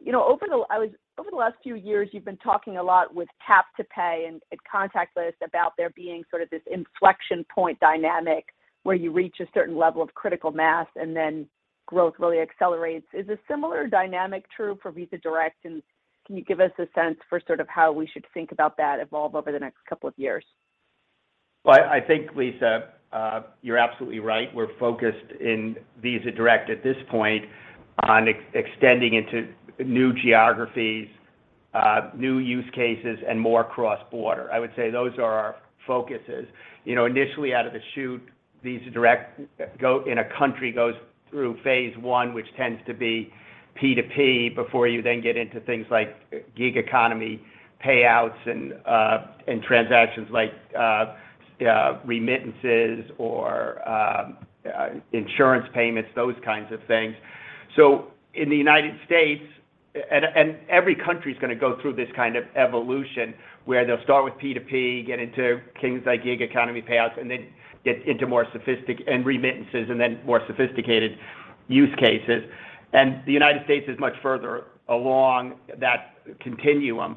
You know, over the last few years, you've been talking a lot with tap to pay and contactless about there being sort of this inflection point dynamic where you reach a certain level of critical mass and then growth really accelerates. Is a similar dynamic true for Visa Direct? Can you give us a sense for sort of how we should think about that evolve over the next couple of years? Well, I think, Lisa, you're absolutely right. We're focused in Visa Direct at this point on extending into new geographies, new use cases, and more cross-border. I would say those are our focuses. You know, initially out of the chute, Visa Direct in a country goes through phase one, which tends to be P2P before you then get into things like gig economy payouts and transactions like remittances or insurance payments, those kinds of things. In the United States, and every country is gonna go through this kind of evolution where they'll start with P2P, get into things like gig economy payouts, and then get into more remittances and then more sophisticated use cases. The United States is much further along that continuum.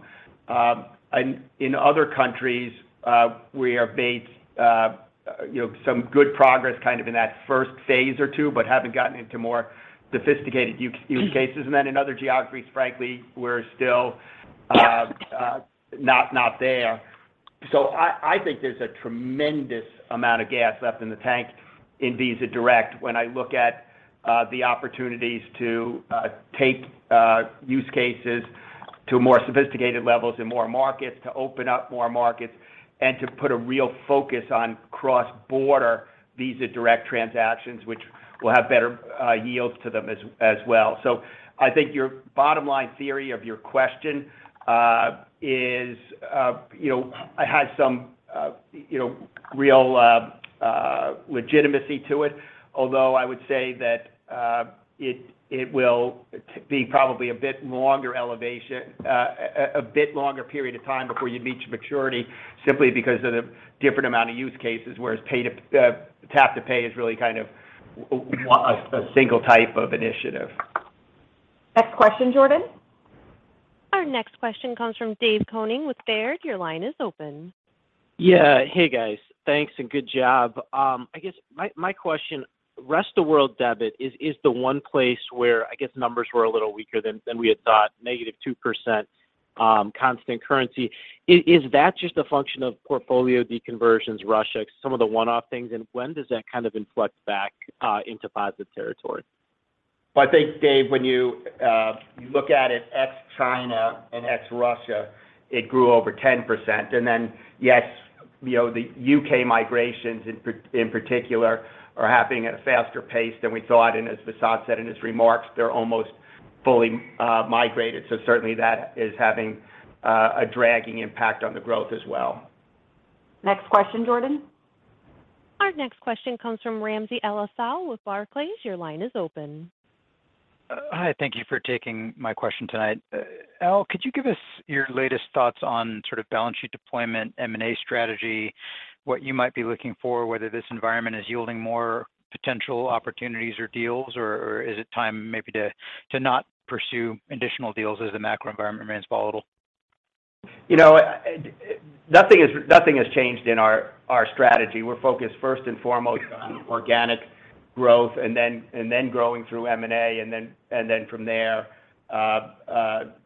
In other countries, we have made, you know, some good progress kind of in that first phase or two, but haven't gotten into more sophisticated use cases. In other geographies, frankly, we're still not there. I think there's a tremendous amount of gas left in the tank in Visa Direct when I look at the opportunities to take use cases to more sophisticated levels in more markets, to open up more markets, and to put a real focus on cross-border Visa Direct transactions, which will have better yields to them as well. I think your bottom line theory of your question, is, you know, has some, you know, real legitimacy to it, although I would say that it will be probably a bit longer period of time before you reach maturity simply because of the different amount of use cases, whereas tap to pay is really kind of a single type of initiative. Next question, Jordan. Our next question comes from David Koning with Baird. Your line is open. Hey guys. Thanks and good job. I guess my question, rest of world debit is the one place where I guess numbers were a little weaker than we had thought, -2% constant currency. Is that just a function of portfolio deconversions, Russia, some of the one-off things? When does that kind of inflect back into positive territory? I think, Dave, when you look at it ex-China and ex-Russia, it grew over 10%. Yes, you know, the U.K. migrations in particular are happening at a faster pace than we thought. As Vasant said in his remarks, they're almost fully migrated. Certainly that is having a dragging impact on the growth as well. Next question, Jordan. Our next question comes from Ramsey El-Assal with Barclays. Your line is open. Hi, thank you for taking my question tonight. Al, could you give us your latest thoughts on sort of balance sheet deployment, M&A strategy, what you might be looking for, whether this environment is yielding more potential opportunities or deals, or is it time maybe to not pursue additional deals as the macro environment remains volatile? You know, nothing has changed in our strategy. We're focused first and foremost on organic growth and then growing through M&A, and then from there,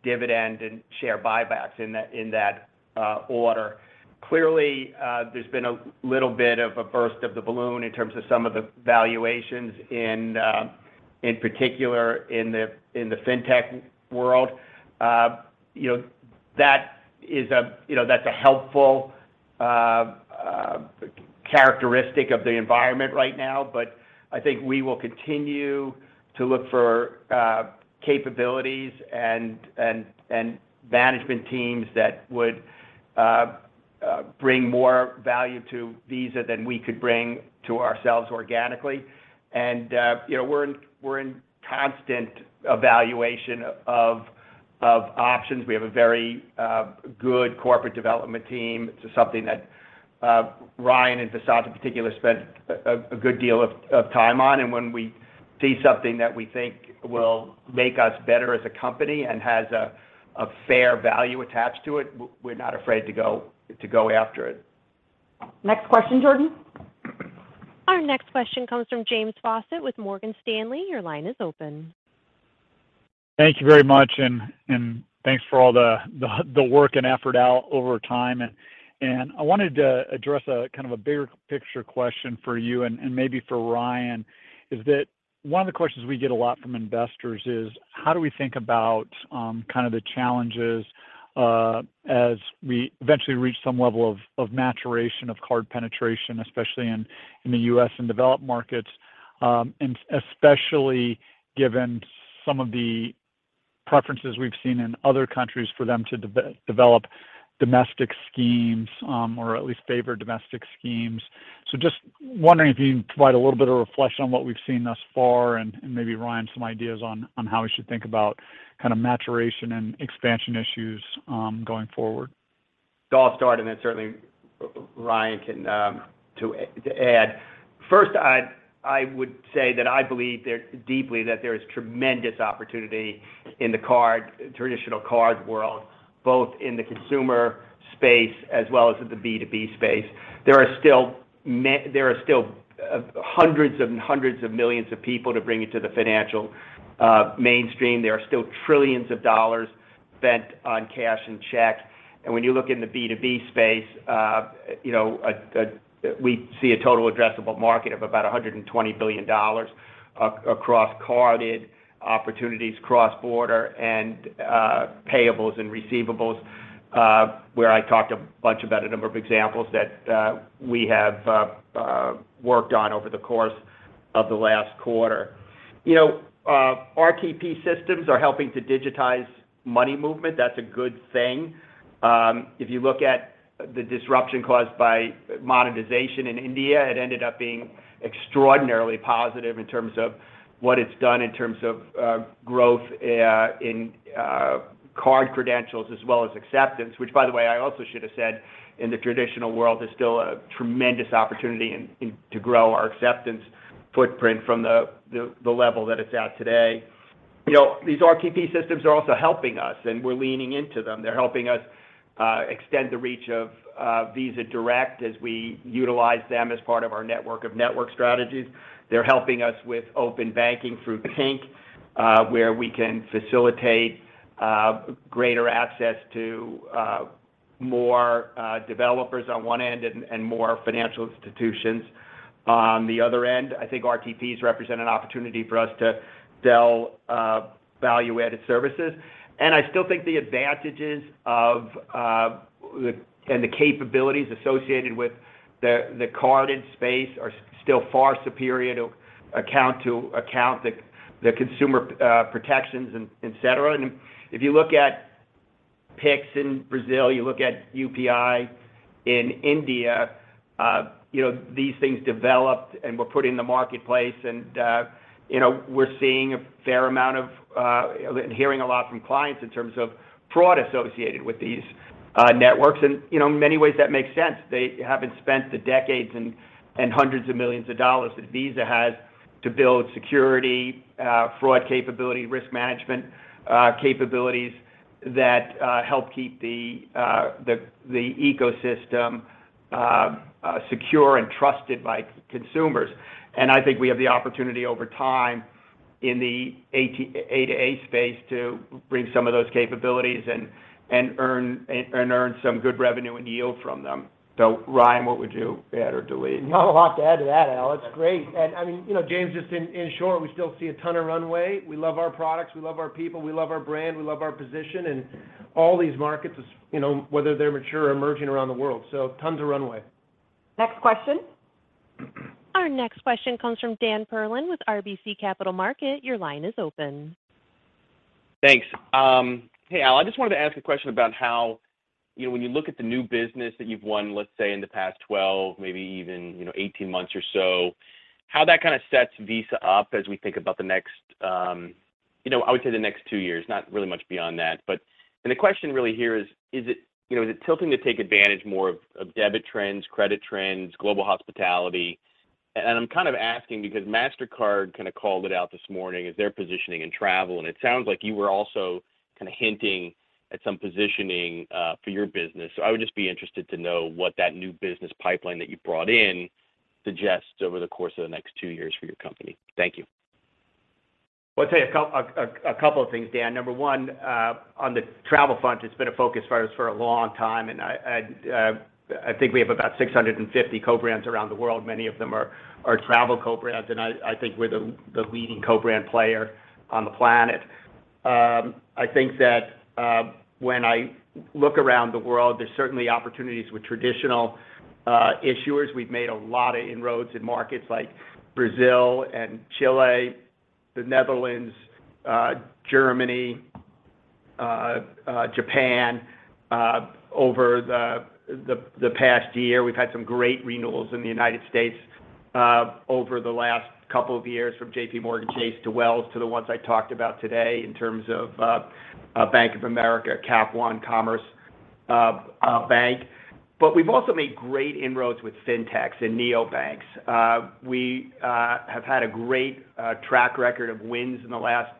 dividend and share buybacks in that order. Clearly, there's been a little bit of a burst of the balloon in terms of some of the valuations in particular in the fintech world. You know, that is a, you know, that's a helpful characteristic of the environment right now. I think we will continue to look for capabilities and management teams that would bring more value to Visa than we could bring to ourselves organically. You know, we're in constant evaluation of options. We have a very good corporate development team. It's something that, Ryan and Vasant in particular spend a good deal of time on. When we see something that we think will make us better as a company and has a fair value attached to it, we're not afraid to go after it. Next question, Jordan. Our next question comes from James Faucette with Morgan Stanley. Your line is open. Thank you very much and thanks for all the work and effort, Al, over time. I wanted to address a kind of a bigger picture question for you and maybe for Ryan, is that one of the questions we get a lot from investors is, how do we think about kind of the challenges as we eventually reach some level of maturation of card penetration, especially in the U.S. and developed markets, and especially given some of the preferences we've seen in other countries for them to develop domestic schemes, or at least favor domestic schemes. Just wondering if you can provide a little bit of reflection on what we've seen thus far, and maybe Ryan, some ideas on how we should think about kind of maturation and expansion issues going forward. I'll start, and then certainly Ryan can to add. First, I would say that I believe deeply that there is tremendous opportunity in the card, traditional card world, both in the consumer space as well as in the B2B space. There are still hundreds of millions of people to bring into the financial mainstream. There are still trillions of dollars spent on cash and checks. When you look in the B2B space, you know, we see a total addressable market of about $120 billion across carded opportunities, cross-border, and payables and receivables, where I talked a bunch about a number of examples that we have worked on over the course of the last quarter. You know, RTP systems are helping to digitize money movement. That's a good thing. If you look at the disruption caused by demonetization in India, it ended up being extraordinarily positive in terms of what it's done in terms of growth in card credentials as well as acceptance, which by the way, I also should have said in the traditional world, there's still a tremendous opportunity to grow our acceptance footprint from the level that it's at today. You know, these RTP systems are also helping us, and we're leaning into them. They're helping us extend the reach of Visa Direct as we utilize them as part of our network of network strategies. They're helping us with open banking through Tink, where we can facilitate greater access to more developers on one end and more financial institutions on the other end. I think RTPs represent an opportunity for us to sell value-added services. I still think the advantages of the and the capabilities associated with the carded space are still far superior to account to account, the consumer protections, and et cetera. If you look at Pix in Brazil, you look at UPI in India, you know, these things developed and were put in the marketplace. You know, we're seeing a fair amount of and hearing a lot from clients in terms of fraud associated with these networks. You know, in many ways, that makes sense. They haven't spent the decades and hundreds of millions of dollars that Visa has to build security, fraud capability, risk management, capabilities that help keep the ecosystem secure and trusted by consumers. I think we have the opportunity over time in the A2A space to bring some of those capabilities and earn some good revenue and yield from them. Ryan, what would you add or delete? Not a lot to add to that, Al. It's great. I mean, you know, James, just in short, we still see a ton of runway. We love our products, we love our people, we love our brand, we love our position. All these markets is, you know, whether they're mature or emerging around the world. Tons of runway. Next question. Our next question comes from Dan Perlin with RBC Capital Markets. Your line is open. Thanks. Hey, Al. I just wanted to ask a question about how, you know, when you look at the new business that you've won, let's say in the past 12, maybe even, you know, 18 months or so, how that kind of sets Visa up as we think about the next, you know, I would say the next two years, not really much beyond that. The question really here is it, you know, is it tilting to take advantage more of debit trends, credit trends, global hospitality? I'm kind of asking because Mastercard kind of called it out this morning as their positioning in travel, and it sounds like you were also kind of hinting at some positioning for your business. I would just be interested to know what that new business pipeline that you've brought in suggests over the course of the next two years for your company. Thank you. Well, I'd say a couple of things, Dan. Number one, on the travel front, it's been a focus for us for a long time, and I think we have about 650 co-brands around the world. Many of them are travel co-brands, and I think we're the leading co-brand player on the planet. I think that, when I look around the world, there's certainly opportunities with traditional issuers. We've made a lot of inroads in markets like Brazil and Chile, the Netherlands, Germany, Japan, over the past year. We've had some great renewals in the United States, over the last couple of years from JPMorgan Chase to Wells to the ones I talked about today in terms of Bank of America, Cap One, Commerce Bank. We've also made great inroads with Fintechs and Neo banks. We have had a great track record of wins in the last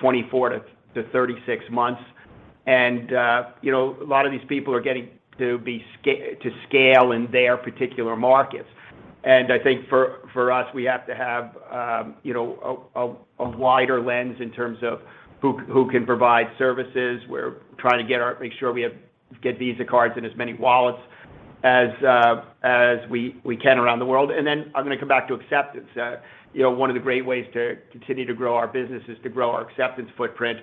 24 to 36 months. You know, a lot of these people are getting to be to scale in their particular markets. I think for us, we have to have, you know, a wider lens in terms of who can provide services. We're trying to make sure we have, get Visa cards in as many wallets as we can around the world. I'm gonna come back to acceptance. You know, one of the great ways to continue to grow our business is to grow our acceptance footprint,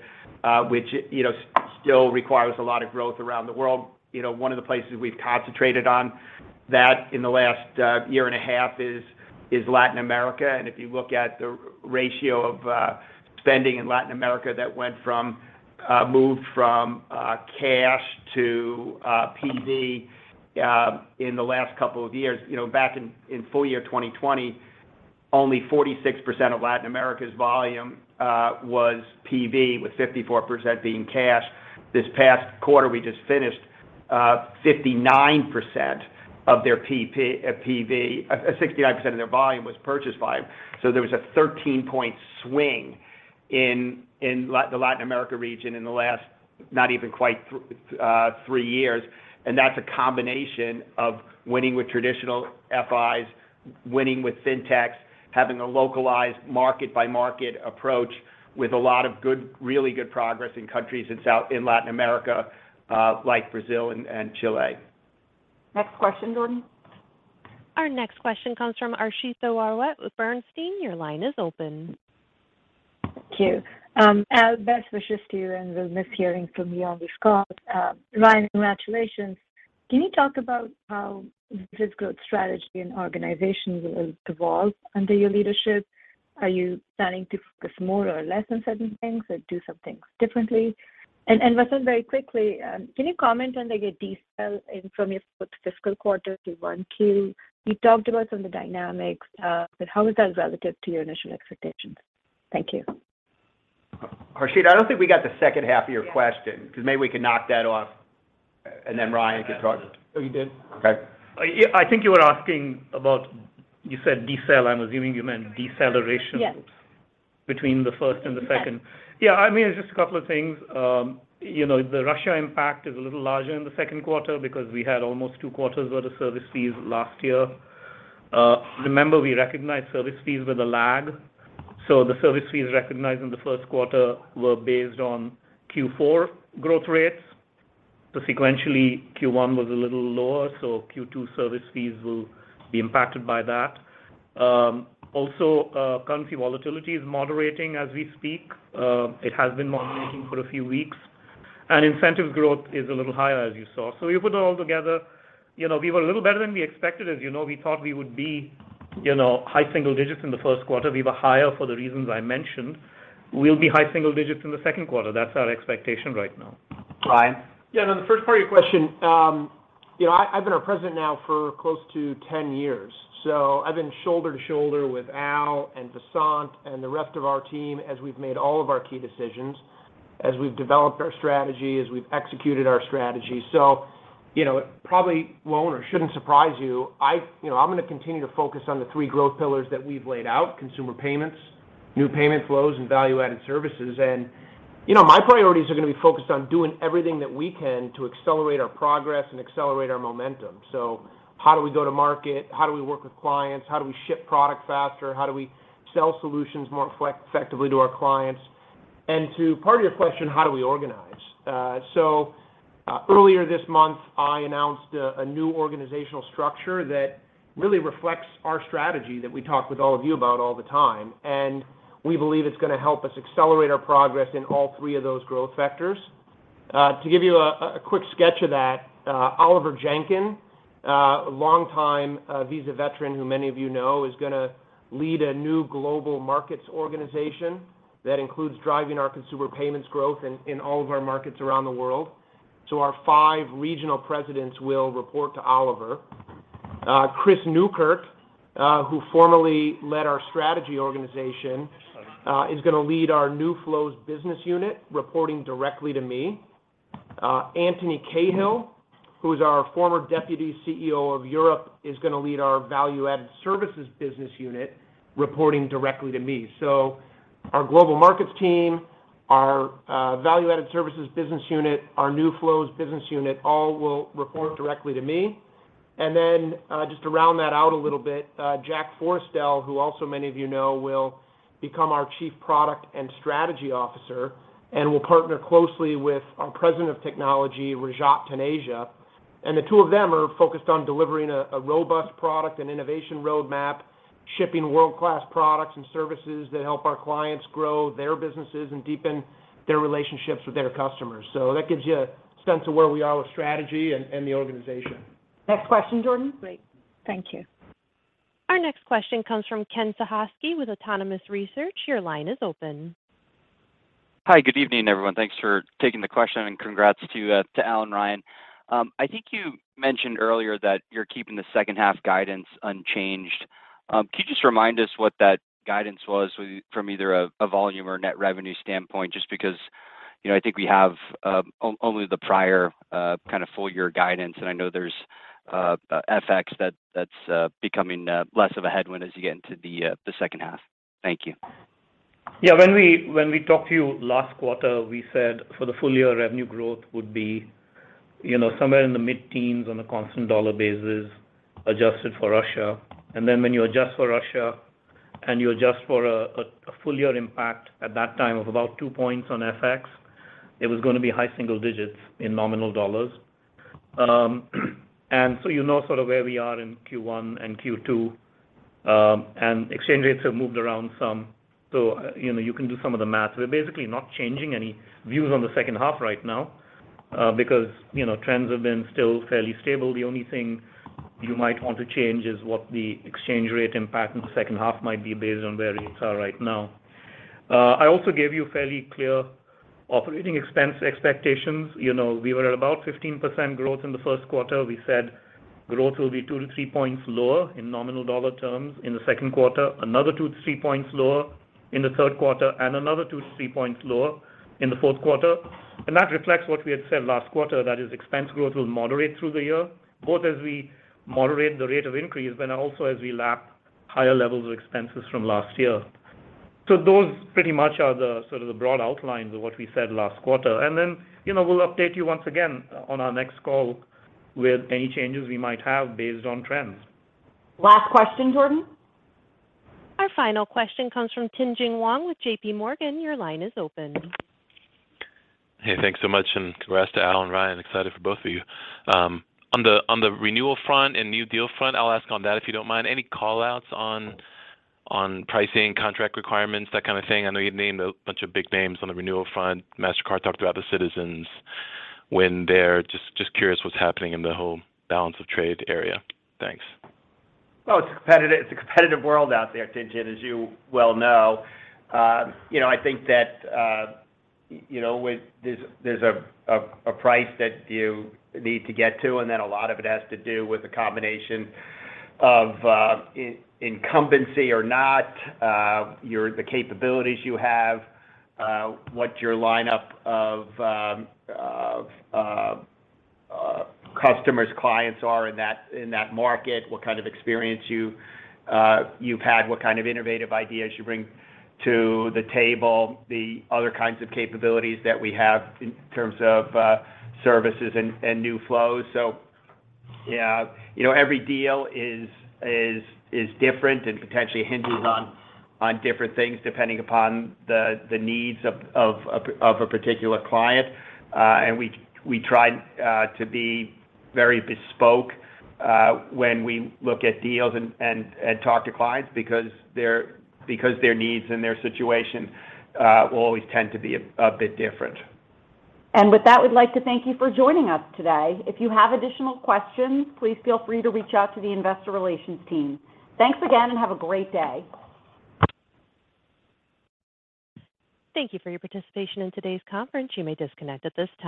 which, you know, still requires a lot of growth around the world. You know, one of the places we've concentrated on that in the last year and a half is Latin America. If you look at the ratio of spending in Latin America that went from moved from cash to PV in the last couple of years. You know, back in full year 2020, only 46% of Latin America's volume was PV, with 54% being cash. This past quarter, we just finished, 59% of their PV. 69% of their volume was purchase volume. There was a 13-point swing in the Latin America region in the last, not even quite three years. That's a combination of winning with traditional FIs, winning with Fintechs, having a localized market-by-market approach with a lot of good, really good progress in countries in Latin America, like Brazil and Chile. Next question, Jordan. Our next question comes from Harshita Rawat with Bernstein. Your line is open. Thank you. Al, best wishes to you, and we'll miss hearing from you on this call. Ryan, congratulations. Can you talk about how this growth strategy and organization will evolve under your leadership? Are you planning to focus more or less on certain things or do some things differently? Vasant, very quickly, can you comment on the decel in from your fiscal quarter to 1Q? You talked about some of the dynamics, but how is that relative to your initial expectations? Thank you. Harshita, I don't think we got the second half of your question, because maybe we can knock that off and then Ryan can talk. Oh, you did? Okay. I think you were asking about, you said decel. I'm assuming you meant deceleration. Yes between the first and the second. Yes. Yeah. I mean, it's just a couple of things. You know, the Russia impact is a little larger in the second quarter because we had almost two quarters worth of service fees last year. Remember, we recognized service fees with a lag. The service fees recognized in the first quarter were based on Q4 growth rates. Sequentially, Q1 was a little lower, so Q2 service fees will be impacted by that. Also, currency volatility is moderating as we speak. It has been moderating for a few weeks. Incentive growth is a little higher, as you saw. You put it all together, you know, we were a little better than we expected. As you know, we thought we would be, you know, high single digits in the first quarter. We were higher for the reasons I mentioned. We'll be high single digits in the second quarter. That's our expectation right now. Ryan? Yeah, on the first part of your question, you know, I've been our President now for close to 10 years. I've been shoulder to shoulder with Al. Vasant and the rest of our team as we've made all of our key decisions, as we've developed our strategy, as we've executed our strategy. You know, it probably won't or shouldn't surprise you, I, you know, I'm gonna continue to focus on the three growth pillars that we've laid out, consumer payments, new payment flows, and value-added services. You know, my priorities are gonna be focused on doing everything that we can to accelerate our progress and accelerate our momentum. How do we go to market? How do we work with clients? How do we ship product faster? How do we sell solutions more effectively to our clients? To part of your question, how do we organize? Earlier this month, I announced a new organizational structure that really reflects our strategy that we talk with all of you about all the time. We believe it's gonna help us accelerate our progress in all three of those growth vectors. To give you a quick sketch of that, Oliver Jenkyn, longtime Visa veteran who many of you know, is gonna lead a new global markets organization that includes driving our consumer payments growth in all of our markets around the world. Our five regional presidents will report to Oliver. Chris Newkirk, who formerly led our strategy organization, is gonna lead our new flows business unit, reporting directly to me. Antony Cahill, who is our former deputy CEO of Europe, is gonna lead our value-added services business unit, reporting directly to me. Our global markets team, our value-added services business unit, our new flows business unit all will report directly to me. Just to round that out a little bit, Jack Forestell, who also many of you know, will become our Chief Product and Strategy Officer and will partner closely with our President of Technology, Rajat Taneja. The two of them are focused on delivering a robust product and innovation roadmap, shipping world-class products and services that help our clients grow their businesses and deepen their relationships with their customers. That gives you a sense of where we are with strategy and the organization. Next question, Jordan? Great. Thank you. Our next question comes from Kenneth Suchoski with Autonomous Research. Your line is open. Hi, good evening, everyone. Thanks for taking the question, congrats to Al and Ryan. I think you mentioned earlier that you're keeping the second-half guidance unchanged. Could you just remind us what that guidance was from either a volume or a net revenue standpoint? Just because, you know, I think we have only the prior kinda full year guidance, and I know there's FX that's becoming less of a headwind as you get into the second half. Thank you. When we talked to you last quarter, we said for the full year, revenue growth would be, you know, somewhere in the mid-teens on a constant dollar basis, adjusted for Russia. Then when you adjust for Russia and you adjust for a full year impact at that time of about two points on FX, it was gonna be high single digits in nominal dollars. So you know sort of where we are in Q1 and Q2. Exchange rates have moved around some, so, you know, you can do some of the math. We're basically not changing any views on the second half right now, because, you know, trends have been still fairly stable. The only thing you might want to change is what the exchange rate impact in the second half might be based on where rates are right now. I also gave you fairly clear operating expense expectations. You know, we were at about 15% growth in the first quarter. We said growth will be two-three points lower in nominal dollar terms in the second quarter, another two-three points lower in the third quarter, and another two-three points lower in the fourth quarter. That reflects what we had said last quarter, that is expense growth will moderate through the year, both as we moderate the rate of increase, but also as we lap higher levels of expenses from last year. Those pretty much are the sort of the broad outlines of what we said last quarter. You know, we'll update you once again on our next call with any changes we might have based on trends. Last question, Jordan. Our final question comes from Tien-Tsin Huang with J.P. Morgan. Your line is open. Hey, thanks so much, and congrats to Al and Ryan. Excited for both of you. On the renewal front and new deal front, I'll ask on that if you don't mind. Any call-outs on pricing, contract requirements, that kind of thing? I know you named a bunch of big names on the renewal front. Mastercard talked about the Citizens when they're... Just curious what's happening in the whole balance of trade area. Thanks. Well, it's a competitive, it's a competitive world out there, Tien-Tsin, as you well know. You know, I think that, you know, there's a price that you need to get to, and then a lot of it has to do with a combination of incumbency or not, the capabilities you have, what your lineup of customers, clients are in that, in that market, what kind of experience you've had, what kind of innovative ideas you bring to the table, the other kinds of capabilities that we have in terms of services and new flows. Yeah, you know, every deal is different and potentially hinges on different things, depending upon the needs of a particular client. We try to be very bespoke when we look at deals and talk to clients because their needs and their situation will always tend to be a bit different. With that, we'd like to thank you for joining us today. If you have additional questions, please feel free to reach out to the investor relations team. Thanks again, and have a great day. Thank you for your participation in today's conference. You may disconnect at this time.